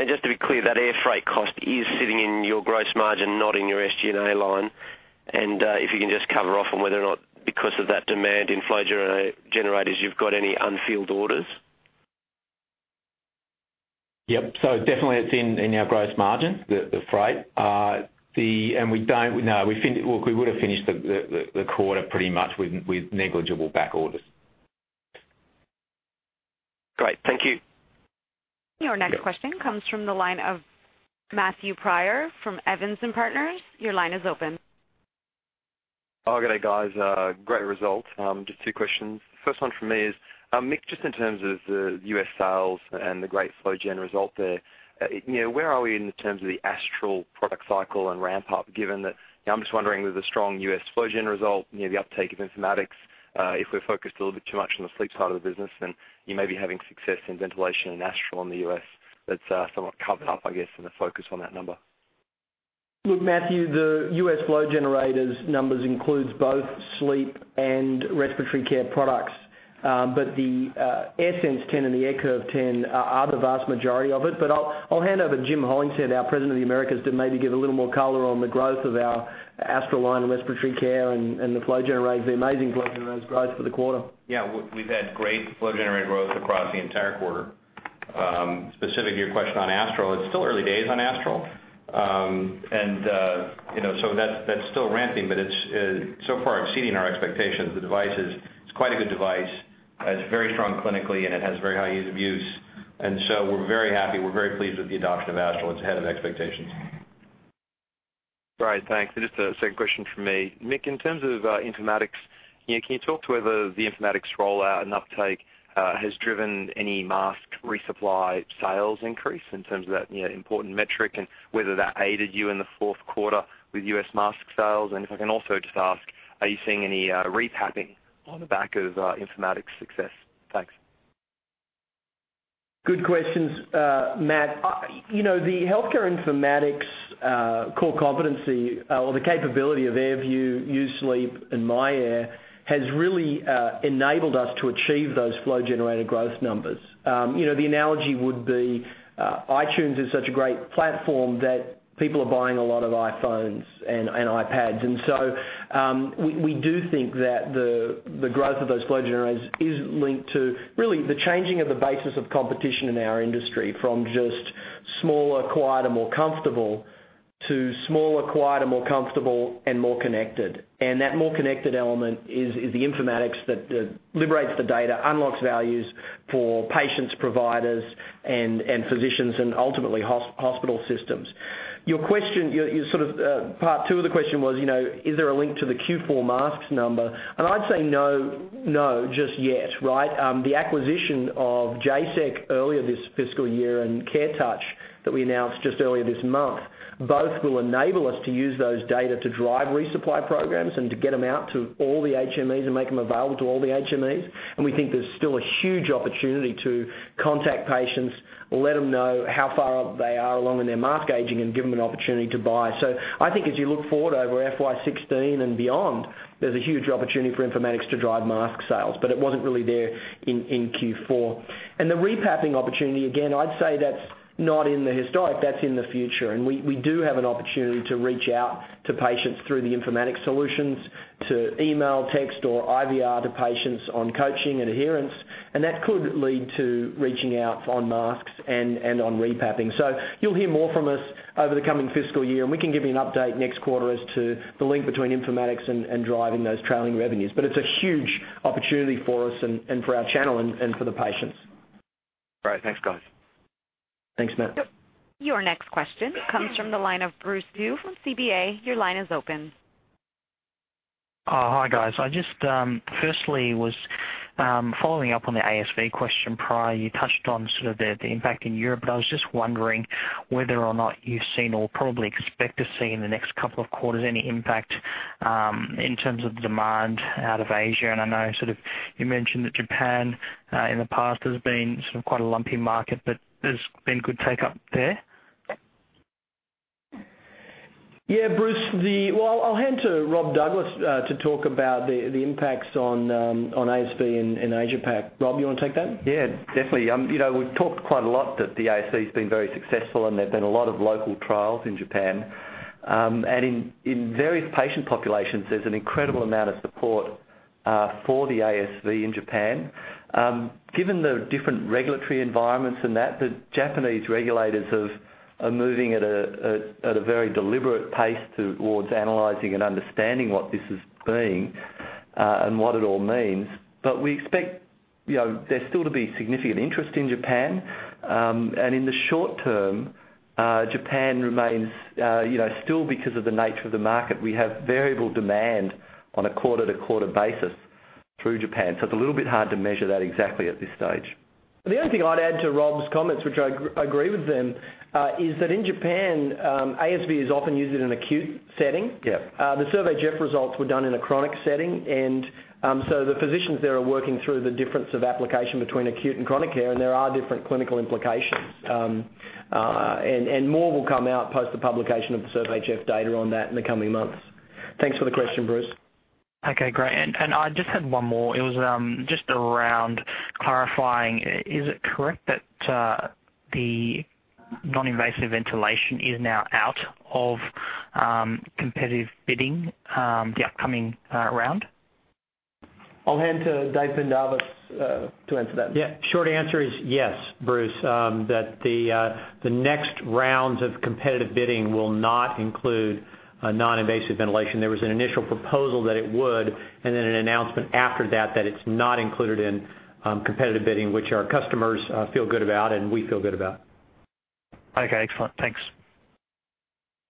Just to be clear, that air freight cost is sitting in your gross margin, not in your SG&A line. If you can just cover off on whether or not because of that demand in flow generators, you've got any unfilled orders. Yep. Definitely it's in our gross margin, the freight. No. Look, we would have finished the quarter pretty much with negligible back orders. Great. Thank you. Your next question comes from the line of Matthew Pryor from Evans & Partners. Your line is open. Good day, guys. Great results. Just two questions. First one from me is, Mick, just in terms of the U.S. sales and the great flow gen result there, where are we in terms of the Astral product cycle and ramp up, given that, I'm just wondering, with the strong U.S. flow gen result, the uptake of informatics, if we're focused a little bit too much on the sleep side of the business, and you may be having success in ventilation and Astral in the U.S. that's somewhat covered up, I guess, in the focus on that number. Matthew, the U.S. flow generators numbers includes both sleep and respiratory care products. The AirSense 10 and the AirCurve 10 are the vast majority of it. I'll hand over to Jim Hollingshead, our President of the Americas, to maybe give a little more color on the growth of our Astral line of respiratory care and the flow generators, the amazing flow generator growth for the quarter. We've had great flow generator growth across the entire quarter. Specific to your question on Astral, it's still early days on Astral. That's still ramping, but it's so far exceeding our expectations. It's quite a good device. It's very strong clinically, and it has very high ease of use. We're very happy. We're very pleased with the adoption of Astral. It's ahead of expectations. Great. Thanks. Just a second question from me. Mick, in terms of informatics, can you talk to whether the informatics rollout and uptake has driven any mask resupply sales increase in terms of that important metric? Whether that aided you in the fourth quarter with U.S. mask sales? If I can also just ask, are you seeing any re-papping on the back of informatics success? Thanks. Good questions, Matt. The healthcare informatics core competency, or the capability of AirView, U-Sleep and myAir, has really enabled us to achieve those flow generator growth numbers. The analogy would be, iTunes is such a great platform that people are buying a lot of iPhones and iPads. We do think that the growth of those flow generators is linked to really the changing of the basis of competition in our industry from just smaller, quieter, more comfortable, to smaller, quieter, more comfortable and more connected. That more connected element is the informatics that liberates the data, unlocks values for patients, providers, and physicians, and ultimately hospital systems. Part two of the question was, is there a link to the Q4 masks number? I'd say, no, just yet, right? The acquisition of Jaysec earlier this fiscal year and CareTouch, that we announced just earlier this month, both will enable us to use those data to drive resupply programs and to get them out to all the HMEs and make them available to all the HMEs. We think there's still a huge opportunity to contact patients, let them know how far they are along in their mask aging, and give them an opportunity to buy. I think as you look forward over FY 2016 and beyond, there's a huge opportunity for informatics to drive mask sales. It wasn't really there in Q4. The re-papping opportunity, again, I'd say that's not in the historic, that's in the future. We do have an opportunity to reach out to patients through the informatics solutions to email, text, or IVR to patients on coaching and adherence. That could lead to reaching out on masks and on re-papping. You'll hear more from us over the coming fiscal year, and we can give you an update next quarter as to the link between informatics and driving those trailing revenues. It's a huge opportunity for us and for our channel and for the patients. Great. Thanks, guys. Thanks, Matt. Your next question comes from the line of Bruce Du from CBA. Your line is open. Hi, guys. I just firstly was following up on the ASV question prior. You touched on sort of the impact in Europe, but I was just wondering whether or not you've seen or probably expect to see in the next couple of quarters any impact in terms of demand out of Asia? I know you mentioned that Japan, in the past, has been sort of quite a lumpy market, but there's been good take-up there? Yeah, Bruce. Well, I'll hand to Rob Douglas to talk about the impacts on ASV in Asia-Pac. Rob, you want to take that? Definitely. We've talked quite a lot that the ASV's been very successful, and there's been a lot of local trials in Japan. In various patient populations, there's an incredible amount of support for the ASV in Japan. Given the different regulatory environments and that, the Japanese regulators are moving at a very deliberate pace towards analyzing and understanding what this is being, and what it all means. We expect there still to be significant interest in Japan. In the short term, Japan remains, still because of the nature of the market, we have variable demand on a quarter-to-quarter basis through Japan. It's a little bit hard to measure that exactly at this stage. The only thing I'd add to Rob's comments, which I agree with them, is that in Japan, ASV is often used in an acute setting. Yeah. The SERVE-HF results were done in a chronic setting. The physicians there are working through the difference of application between acute and chronic care, and there are different clinical implications. More will come out post the publication of the SERVE-HF data on that in the coming months. Thanks for the question, Bruce. Great. I just had one more. It was just around clarifying. Is it correct that the non-invasive ventilation is now out of competitive bidding, the upcoming round? I'll hand to David Pendarvis to answer that. Yeah. Short answer is yes, Bruce, that the next rounds of competitive bidding will not include non-invasive ventilation. There was an initial proposal that it would, then an announcement after that it's not included in competitive bidding, which our customers feel good about and we feel good about. Okay, excellent. Thanks.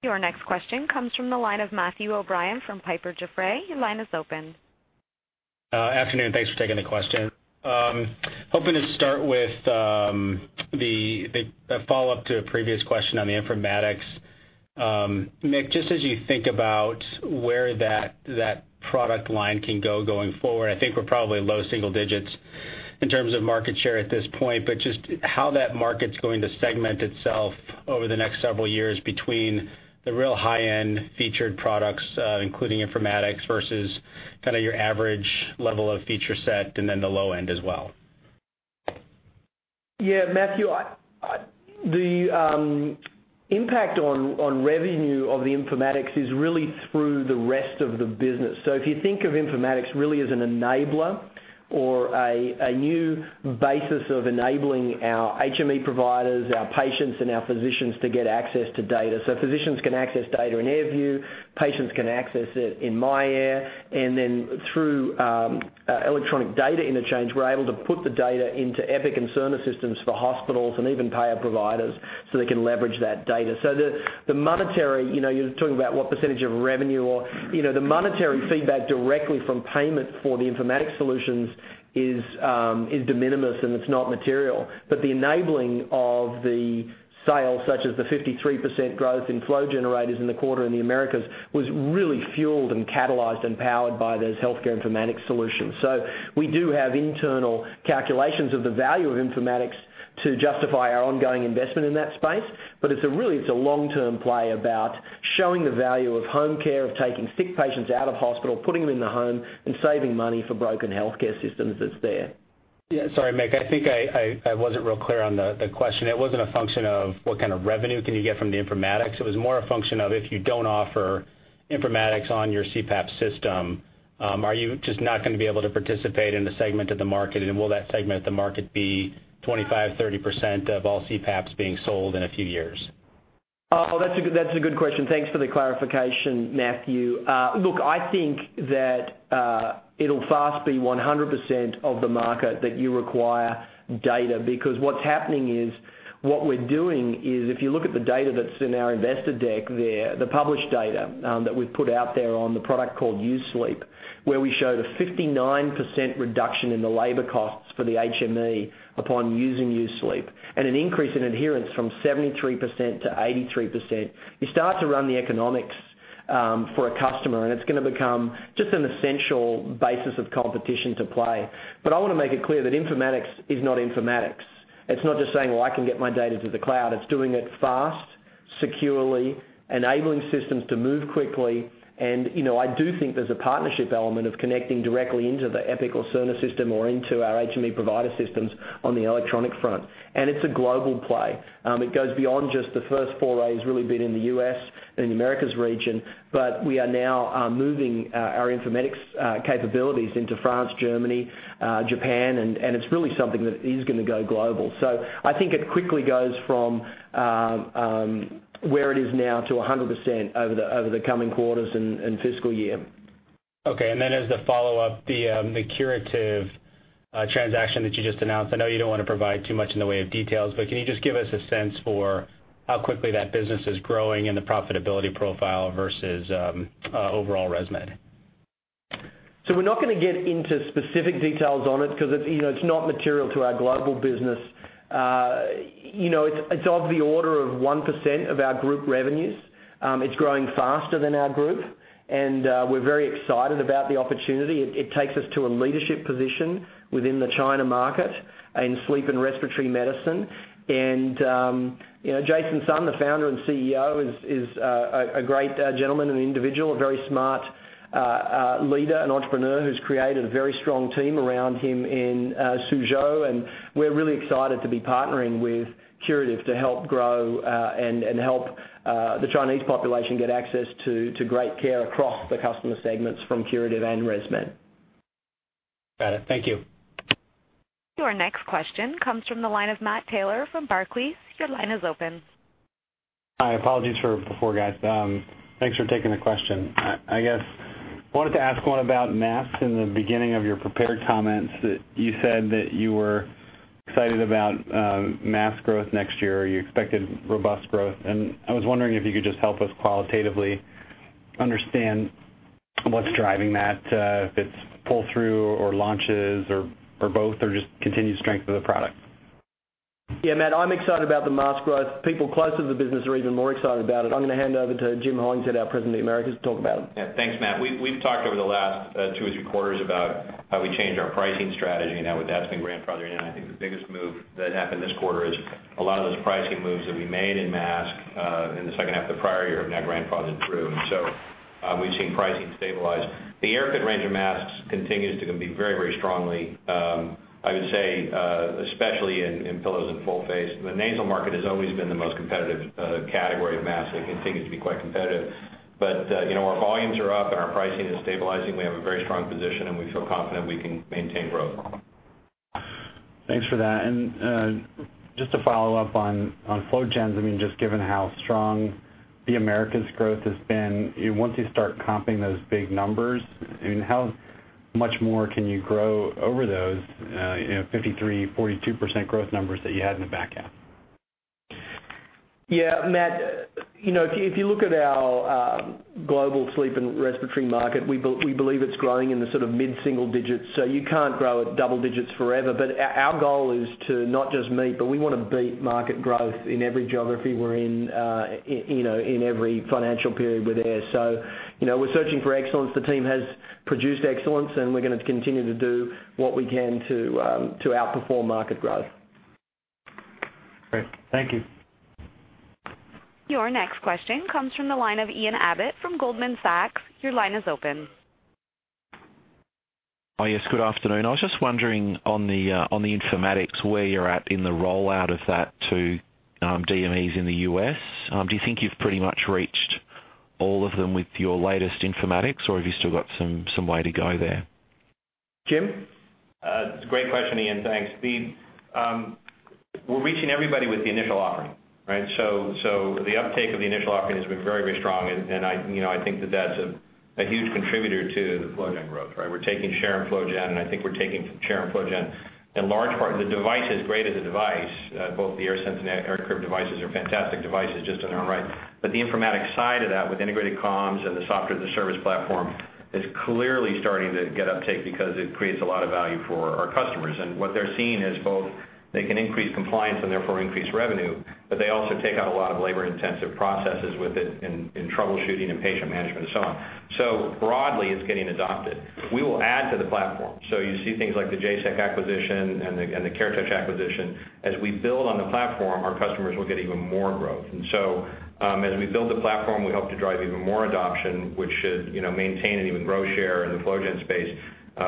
Your next question comes from the line of Matthew O'Brien from Piper Jaffray. Your line is open. Afternoon. Thanks for taking the question. Hoping to start with the follow-up to a previous question on the informatics. Mick, just as you think about where that product line can go going forward, I think we're probably low single digits in terms of market share at this point, but just how that market's going to segment itself over the next several years between the real high-end featured products, including informatics, versus your average level of feature set, and then the low end as well. Yeah, Matthew, the impact on revenue of the informatics is really through the rest of the business. If you think of informatics really as an enabler or a new basis of enabling our HME providers, our patients, and our physicians to get access to data. Physicians can access data in AirView, patients can access it in myAir, and then through electronic data interchange, we're able to put the data into Epic and Cerner systems for hospitals and even payer providers so they can leverage that data. You were talking about what percentage of revenue, or the monetary feedback directly from payment for the informatics solutions is de minimis and it's not material. The enabling of the sale, such as the 53% growth in flow generators in the quarter in the Americas, was really fueled and catalyzed and powered by those healthcare informatics solutions. We do have internal calculations of the value of informatics to justify our ongoing investment in that space. Really, it's a long-term play about showing the value of home care, of taking sick patients out of hospital, putting them in the home, and saving money for broken healthcare systems that's there. Yeah, sorry, Mick, I think I wasn't real clear on the question. It wasn't a function of what kind of revenue can you get from the informatics. It was more a function of, if you don't offer informatics on your CPAP system, are you just not going to be able to participate in the segment of the market? Will that segment of the market be 25%, 30% of all CPAPs being sold in a few years? That's a good question. Thanks for the clarification, Matthew. I think that it'll fast be 100% of the market that you require data, because what's happening is, if you look at the data that's in our investor deck there, the published data that we've put out there on the product called U-Sleep, where we show the 59% reduction in the labor costs for the HME upon using U-Sleep, and an increase in adherence from 73% to 83%. You start to run the economics for a customer, and it's going to become just an essential basis of competition to play. I want to make it clear that informatics is not informatics. It's not just saying, "Well, I can get my data to the cloud." It's doing it fast, securely, enabling systems to move quickly. I do think there's a partnership element of connecting directly into the Epic Systems or Cerner Corporation system or into our HME provider systems on the electronic front. It's a global play. It goes beyond just the first foray has really been in the U.S. and the Americas region, but we are now moving our informatics capabilities into France, Germany, Japan, and it's really something that is going to go global. I think it quickly goes from where it is now to 100% over the coming quarters and fiscal year. Okay, then as the follow-up, the Curative Medical transaction that you just announced, I know you don't want to provide too much in the way of details, can you just give us a sense for how quickly that business is growing and the profitability profile versus overall ResMed? We're not going to get into specific details on it because it's not material to our global business. It's of the order of 1% of our group revenues. It's growing faster than our group, and we're very excited about the opportunity. It takes us to a leadership position within the China market in sleep and respiratory medicine. Jason Sun, the founder and CEO, is a great gentleman and individual, a very smart leader and entrepreneur who's created a very strong team around him in Suzhou, and we're really excited to be partnering with Curative Medical to help grow and help the Chinese population get access to great care across the customer segments from Curative Medical and ResMed. Got it. Thank you. Your next question comes from the line of Matt Taylor from Barclays. Your line is open. Hi. Apologies for before, guys. Thanks for taking the question. I guess I wanted to ask one about masks. In the beginning of your prepared comments, you said that you were excited about mask growth next year. You expected robust growth. I was wondering if you could just help us qualitatively understand what's driving that, if it's pull-through or launches or both or just continued strength of the product. Yeah, Matt, I'm excited about the mask growth. People closer to the business are even more excited about it. I'm going to hand over to Jim Hollingshead, our President of the Americas, to talk about it. Thanks, Matt. We've talked over the last two or three quarters about how we changed our pricing strategy and how that's been grandfathered in. I think the biggest move that happened this quarter is a lot of those pricing moves that we made in masks in the second half of the prior year have now grandfathered through. We've seen pricing stabilize. The AirFit range of masks continues to compete very, very strongly, I would say, especially in pillows and full face. The nasal market has always been the most competitive category of masks. It continues to be quite competitive. Our volumes are up and our pricing is stabilizing. We have a very strong position, and we feel confident we can maintain growth. Thanks for that. Just to follow up on flow gens, just given how strong the Americas growth has been, once you start comping those big numbers, much more can you grow over those 53%, 42% growth numbers that you had in the back half? Yeah, Matt, if you look at our global sleep and respiratory market, we believe it's growing in the mid-single digits. You can't grow at double digits forever. Our goal is to not just meet, but we want to beat market growth in every geography we're in every financial period we're there. We're searching for excellence. The team has produced excellence, we're going to continue to do what we can to outperform market growth. Great. Thank you. Your next question comes from the line of Ian Abbott from Goldman Sachs. Your line is open. Hi, yes. Good afternoon. I was just wondering on the informatics, where you're at in the rollout of that to DMEs in the U.S. Do you think you've pretty much reached all of them with your latest informatics, or have you still got some way to go there? Jim? It's a great question, Ian. Thanks. We're reaching everybody with the initial offering, right? The uptake of the initial offering has been very, very strong, and I think that's a huge contributor to the FlowGen growth. We're taking share in FlowGen, and I think we're taking share in FlowGen in large part. The device is great as a device, both the AirSense and AirCurve devices are fantastic devices just in their own right. The informatics side of that, with integrated comms and the software as a service platform, is clearly starting to get uptake because it creates a lot of value for our customers. What they're seeing is both they can increase compliance and therefore increase revenue, but they also take out a lot of labor-intensive processes with it in troubleshooting and patient management and so on. Broadly, it's getting adopted. We will add to the platform. You see things like the Jaysec acquisition and the CareTouch acquisition. As we build on the platform, our customers will get even more growth. As we build the platform, we hope to drive even more adoption, which should maintain and even grow share in the FlowGen space,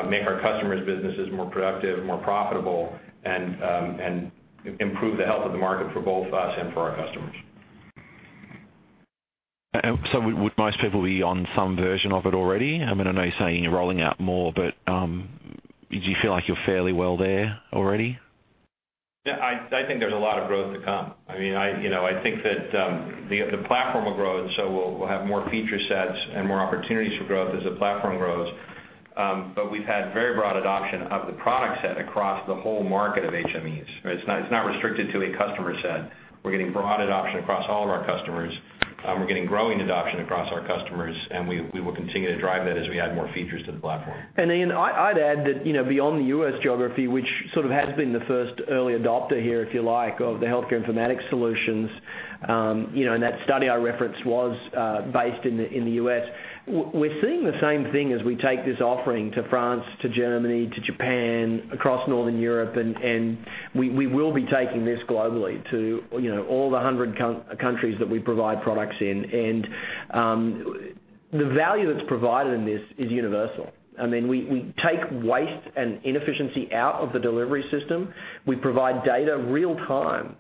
make our customers' businesses more productive, more profitable, and improve the health of the market for both us and for our customers. Would most people be on some version of it already? I know you're saying you're rolling out more, but do you feel like you're fairly well there already? Yeah, I think there's a lot of growth to come. I think that the platform will grow, and so we'll have more feature sets and more opportunities for growth as the platform grows. We've had very broad adoption of the product set across the whole market of HMEs. It's not restricted to a customer set. We're getting broad adoption across all of our customers. We're getting growing adoption across our customers, and we will continue to drive that as we add more features to the platform. Ian, I'd add that, beyond the U.S. geography, which sort of has been the first early adopter here, if you like, of the healthcare informatics solutions, and that study I referenced was based in the U.S. We're seeing the same thing as we take this offering to France, to Germany, to Japan, across Northern Europe, and we will be taking this globally to all the 100 countries that we provide products in. The value that's provided in this is universal. We take waste and inefficiency out of the delivery system. We provide data real time.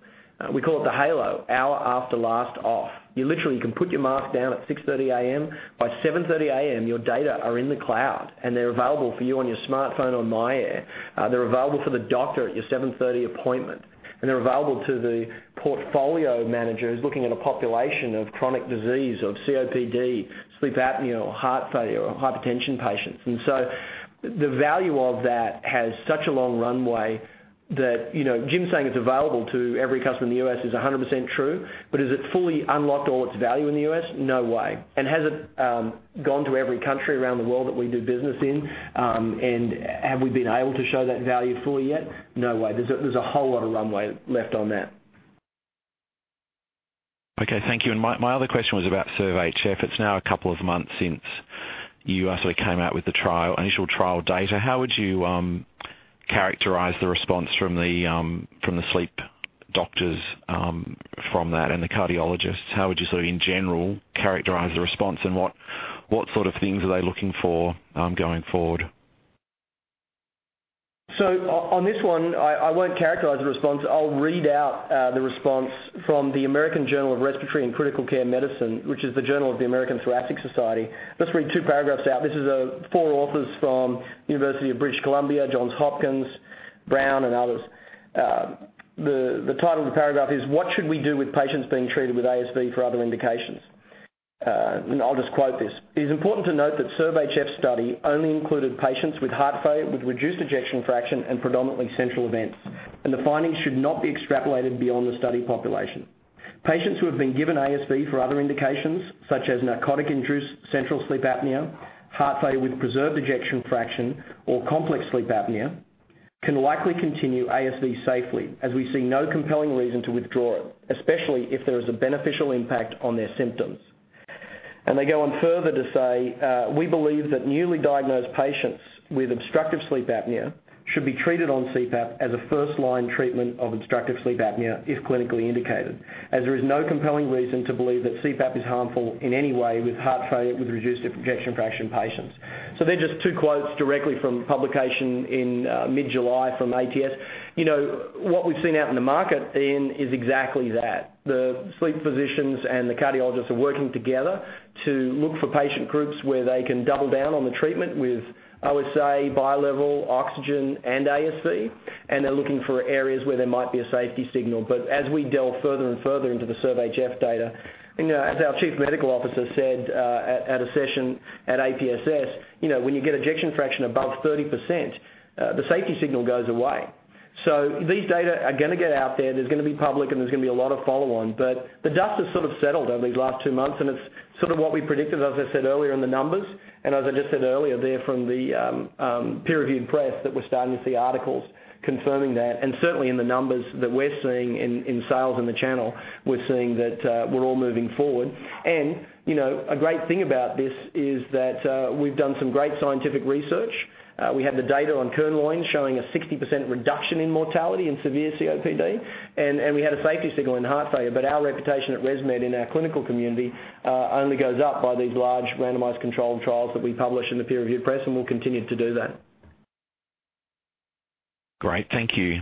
We call it the HALO, hour after last off. You literally can put your mask down at 6:30 A.M. By 7:30 A.M., your data are in the cloud, and they're available for you on your smartphone on myAir. They're available for the doctor at your 7:30 appointment. They're available to the portfolio managers looking at a population of chronic disease, of COPD, sleep apnea, or heart failure, or hypertension patients. The value of that has such a long runway that, Jim saying it's available to every customer in the U.S. is 100% true, but has it fully unlocked all its value in the U.S.? No way. Has it gone to every country around the world that we do business in? Have we been able to show that value fully yet? No way. There's a whole lot of runway left on that. Okay, thank you. My other question was about SERVE-HF. It's now a couple of months since you actually came out with the initial trial data. How would you characterize the response from the sleep doctors from that and the cardiologists? How would you, sort of, in general, characterize the response, and what sort of things are they looking for going forward? On this one, I won't characterize the response. I'll read out the response from the American Journal of Respiratory and Critical Care Medicine, which is the journal of the American Thoracic Society. Let's read two paragraphs out. This is four authors from University of British Columbia, Johns Hopkins, Brown University, and others. The title of the paragraph is, "What should we do with patients being treated with ASV for other indications?" I'll just quote this: "It is important to note that SERVE-HF study only included patients with heart failure, with reduced ejection fraction, and predominantly central events, and the findings should not be extrapolated beyond the study population. Patients who have been given ASV for other indications, such as narcotic-induced central sleep apnea, heart failure with preserved ejection fraction, or complex sleep apnea, can likely continue ASV safely as we see no compelling reason to withdraw it, especially if there is a beneficial impact on their symptoms." They go on further to say, "We believe that newly diagnosed patients with obstructive sleep apnea should be treated on CPAP as a first-line treatment of obstructive sleep apnea if clinically indicated, as there is no compelling reason to believe that CPAP is harmful in any way with heart failure, with reduced ejection fraction patients." They're just two quotes directly from publication in mid-July from ATS. What we've seen out in the market, Ian, is exactly that. The sleep physicians and the cardiologists are working together to look for patient groups where they can double down on the treatment with OSA, bi-level oxygen, and ASV, and they're looking for areas where there might be a safety signal. As we delve further and further into the SERVE-HF data, as our chief medical officer said at a session at APSS, when you get ejection fraction above 30%, the safety signal goes away. These data are going to get out there. There's going to be public, and there's going to be a lot of follow-on. The dust has sort of settled over these last two months, and it's sort of what we predicted, as I said earlier in the numbers. As I just said earlier there from the peer-reviewed press, that we're starting to see articles confirming that. Certainly, in the numbers that we're seeing in sales in the channel, we're seeing that we're all moving forward. A great thing about this is that we've done some great scientific research. We have the data on Köhnlein showing a 60% reduction in mortality in severe COPD. We had a safety signal in heart failure, but our reputation at ResMed in our clinical community only goes up by these large randomized controlled trials that we publish in the peer-reviewed press, and we'll continue to do that. Great. Thank you.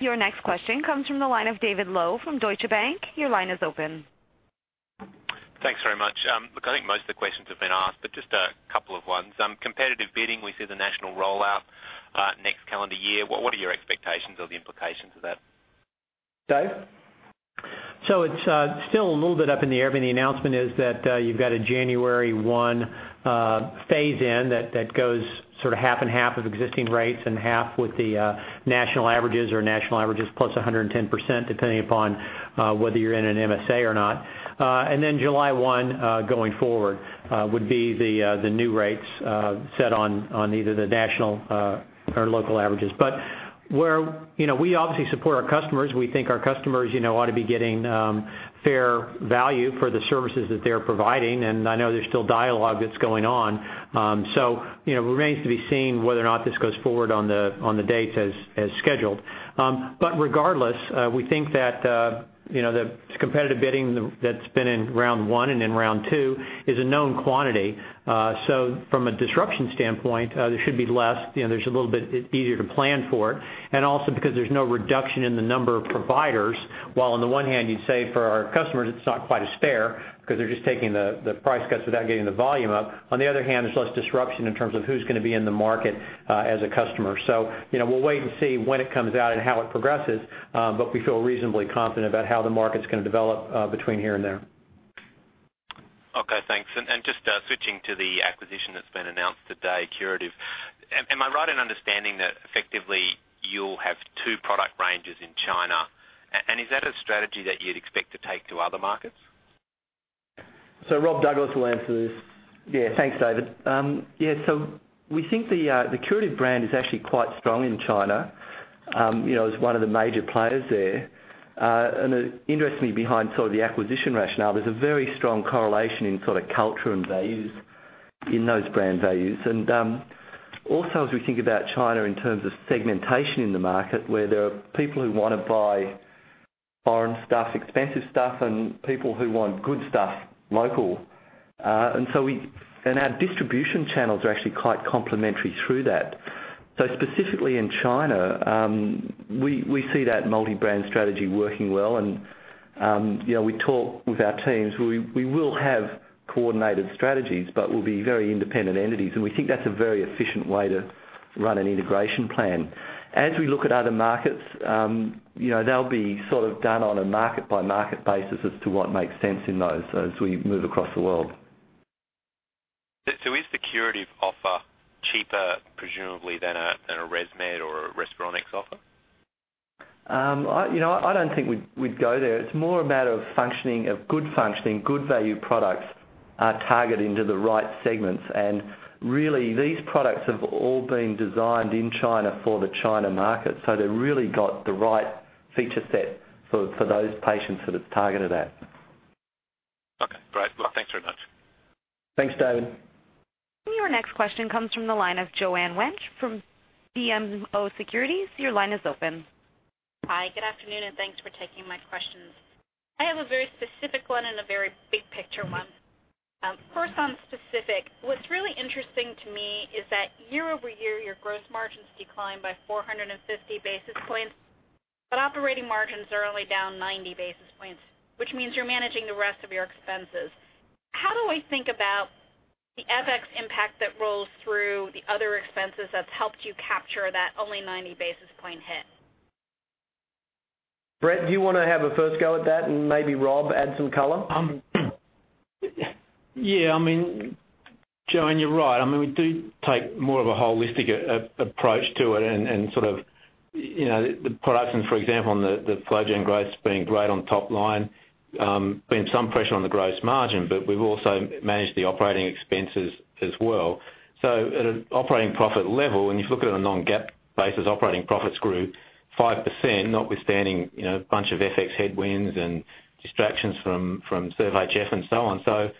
Your next question comes from the line of David Low from Deutsche Bank. Your line is open. Thanks very much. Look, I think most of the questions have been asked, just a couple of ones. Competitive bidding, we see the national rollout next calendar year. What are your expectations or the implications of that? Dave? It's still a little bit up in the air. The announcement is that you've got a January 1 phase-in that goes sort of half and half of existing rates, and half with the national averages or national averages plus 110%, depending upon whether you're in an MSA or not. Then July 1, going forward, would be the new rates set on either the national or local averages. We obviously support our customers. We think our customers ought to be getting fair value for the services that they're providing. I know there's still dialogue that's going on. It remains to be seen whether or not this goes forward on the dates as scheduled. Regardless, we think that the competitive bidding that's been in round one and in round two is a known quantity. From a disruption standpoint, there should be less. There's a little bit easier to plan for. Also because there's no reduction in the number of providers, while on the one hand, you'd say for our customers, it's not quite as fair because they're just taking the price cuts without getting the volume up. On the other hand, there's less disruption in terms of who's going to be in the market as a customer. We'll wait and see when it comes out and how it progresses. We feel reasonably confident about how the market's going to develop between here and there. Okay, thanks. Just switching to the acquisition that's been announced today, Curative. Am I right in understanding that effectively you'll have two product ranges in China? Is that a strategy that you'd expect to take to other markets? Rob Douglas will answer this. Thanks, David. We think the Curative brand is actually quite strong in China, as one of the major players there. Interestingly, behind sort of the acquisition rationale, there's a very strong correlation in sort of culture and values in those brand values. Also as we think about China in terms of segmentation in the market, where there are people who want to buy foreign stuff, expensive stuff, and people who want good stuff local. Our distribution channels are actually quite complementary through that. Specifically in China, we see that multi-brand strategy working well. We talk with our teams. We will have coordinated strategies, but we'll be very independent entities, and we think that's a very efficient way to run an integration plan. As we look at other markets, they'll be sort of done on a market-by-market basis as to what makes sense in those as we move across the world. Is the Curative offer cheaper, presumably, than a ResMed or a Respironics offer? I don't think we'd go there. It's more a matter of good functioning, good value products are targeting to the right segments. Really, these products have all been designed in China for the China market. They've really got the right feature set for those patients that it's targeted at. Okay, great. Well, thanks very much. Thanks, David. Your next question comes from the line of Joanne Wuensch from BMO Capital Markets. Your line is open. Hi, good afternoon, and thanks for taking my questions. I have a very specific one and a very big-picture one. First, on specific. What's really interesting to me is that year-over-year, your gross margins decline by 450 basis points, but operating margins are only down 90 basis points, which means you're managing the rest of your expenses. How do I think about the FX impact that rolls through the other expenses that's helped you capture that only 90 basis point hit? Brett, do you want to have a first go at that and maybe Rob add some color? Yeah. Joanne, you're right. We do take more of a holistic approach to it and sort of the products, and for example, on the FlowGen growths being great on top line, been some pressure on the gross margin, but we've also managed the operating expenses as well. At an operating profit level, when you look at it on a non-GAAP basis, operating profits grew 5%, notwithstanding a bunch of FX headwinds and distractions from SERVE-HF and so on.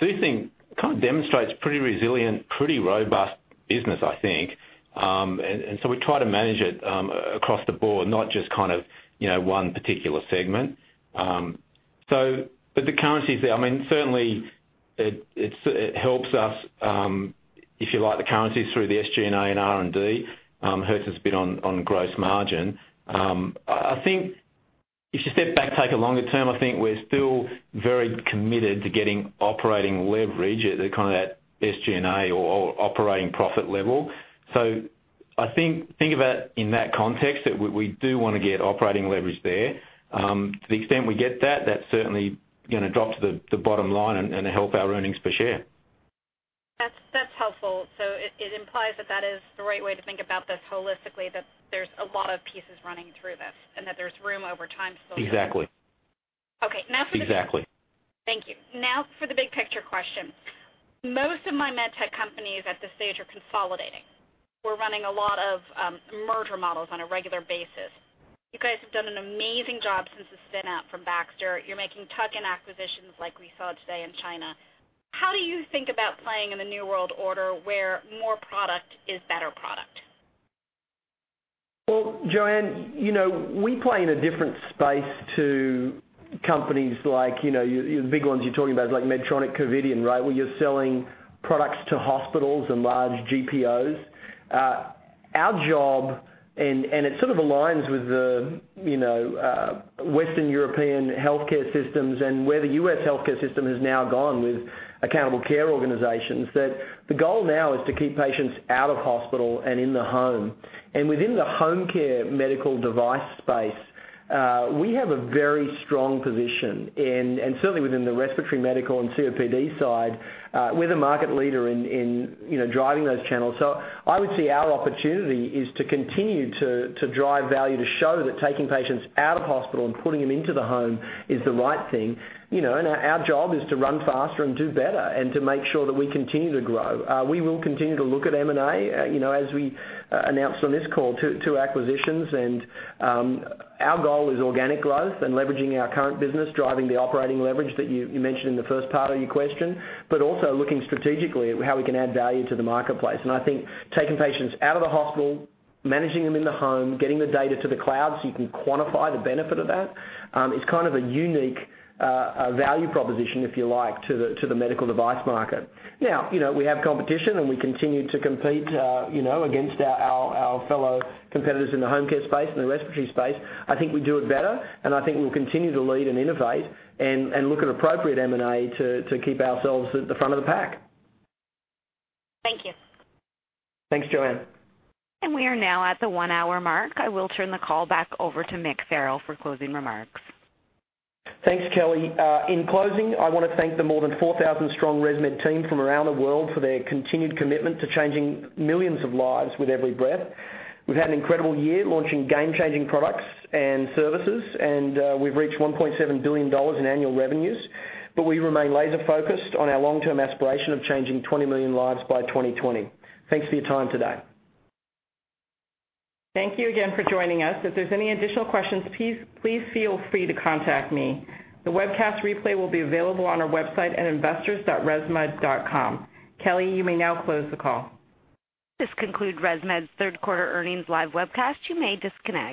Do think kind of demonstrates pretty resilient, pretty robust business, I think. We try to manage it across the board, not just one particular segment. The currencies, certainly, it helps us, if you like, the currencies through the SG&A and R&D hurts us a bit on gross margin. I think if you step back, take a longer term, I think we're still very committed to getting operating leverage at kind of that SG&A or operating profit level. I think of that in that context, that we do want to get operating leverage there. To the extent we get that's certainly going to drop to the bottom line and help our earnings per share. That's helpful. It implies that is the right way to think about this holistically, that there's a lot of pieces running through this, and that there's room over time still. Exactly. Okay. Exactly. Thank you. The big picture question. Most of my medtech companies at this stage are consolidating. We're running a lot of merger models on a regular basis. You guys have done an amazing job since the spin-out from Baxter. You're making tuck-in acquisitions like we saw today in China. How do you think about playing in the New World Order, where more product is better product? Joanne, we play in a different space to companies like, the big ones you're talking about, like Medtronic, Covidien, right, where you're selling products to hospitals and large GPOs. Our job, it sort of aligns with the Western European healthcare systems and where the U.S. healthcare system has now gone with accountable care organizations. The goal now is to keep patients out of hospital and in the home. Within the home care medical device space, we have a very strong position. Certainly within the respiratory medical and COPD side, we're the market leader in driving those channels. I would say our opportunity is to continue to drive value, to show that taking patients out of hospital and putting them into the home is the right thing. Our job is to run faster and do better and to make sure that we continue to grow. We will continue to look at M&A, as we announced on this call, two acquisitions. Our goal is organic growth and leveraging our current business, driving the operating leverage that you mentioned in the first part of your question, also looking strategically at how we can add value to the marketplace. I think taking patients out of the hospital, managing them in the home, getting the data to the cloud so you can quantify the benefit of that, is kind of a unique value proposition, if you like, to the medical device market. We have competition, and we continue to compete against our fellow competitors in the home care space and the respiratory space. I think we do it better, I think we'll continue to lead and innovate and look at appropriate M&A to keep ourselves at the front of the pack. Thank you. Thanks, Joanne. We are now at the one-hour mark. I will turn the call back over to Michael Farrell for closing remarks. Thanks, Kelly. In closing, I want to thank the more than 4,000-strong ResMed team from around the world for their continued commitment to changing millions of lives with every breath. We've had an incredible year launching game-changing products and services. We've reached $1.7 billion in annual revenues. We remain laser-focused on our long-term aspiration of changing 20 million lives by 2020. Thanks for your time today. Thank you again for joining us. If there's any additional questions, please feel free to contact me. The webcast replay will be available on our website at investors.resmed.com. Kelly, you may now close the call. This concludes ResMed's third quarter earnings live webcast. You may disconnect.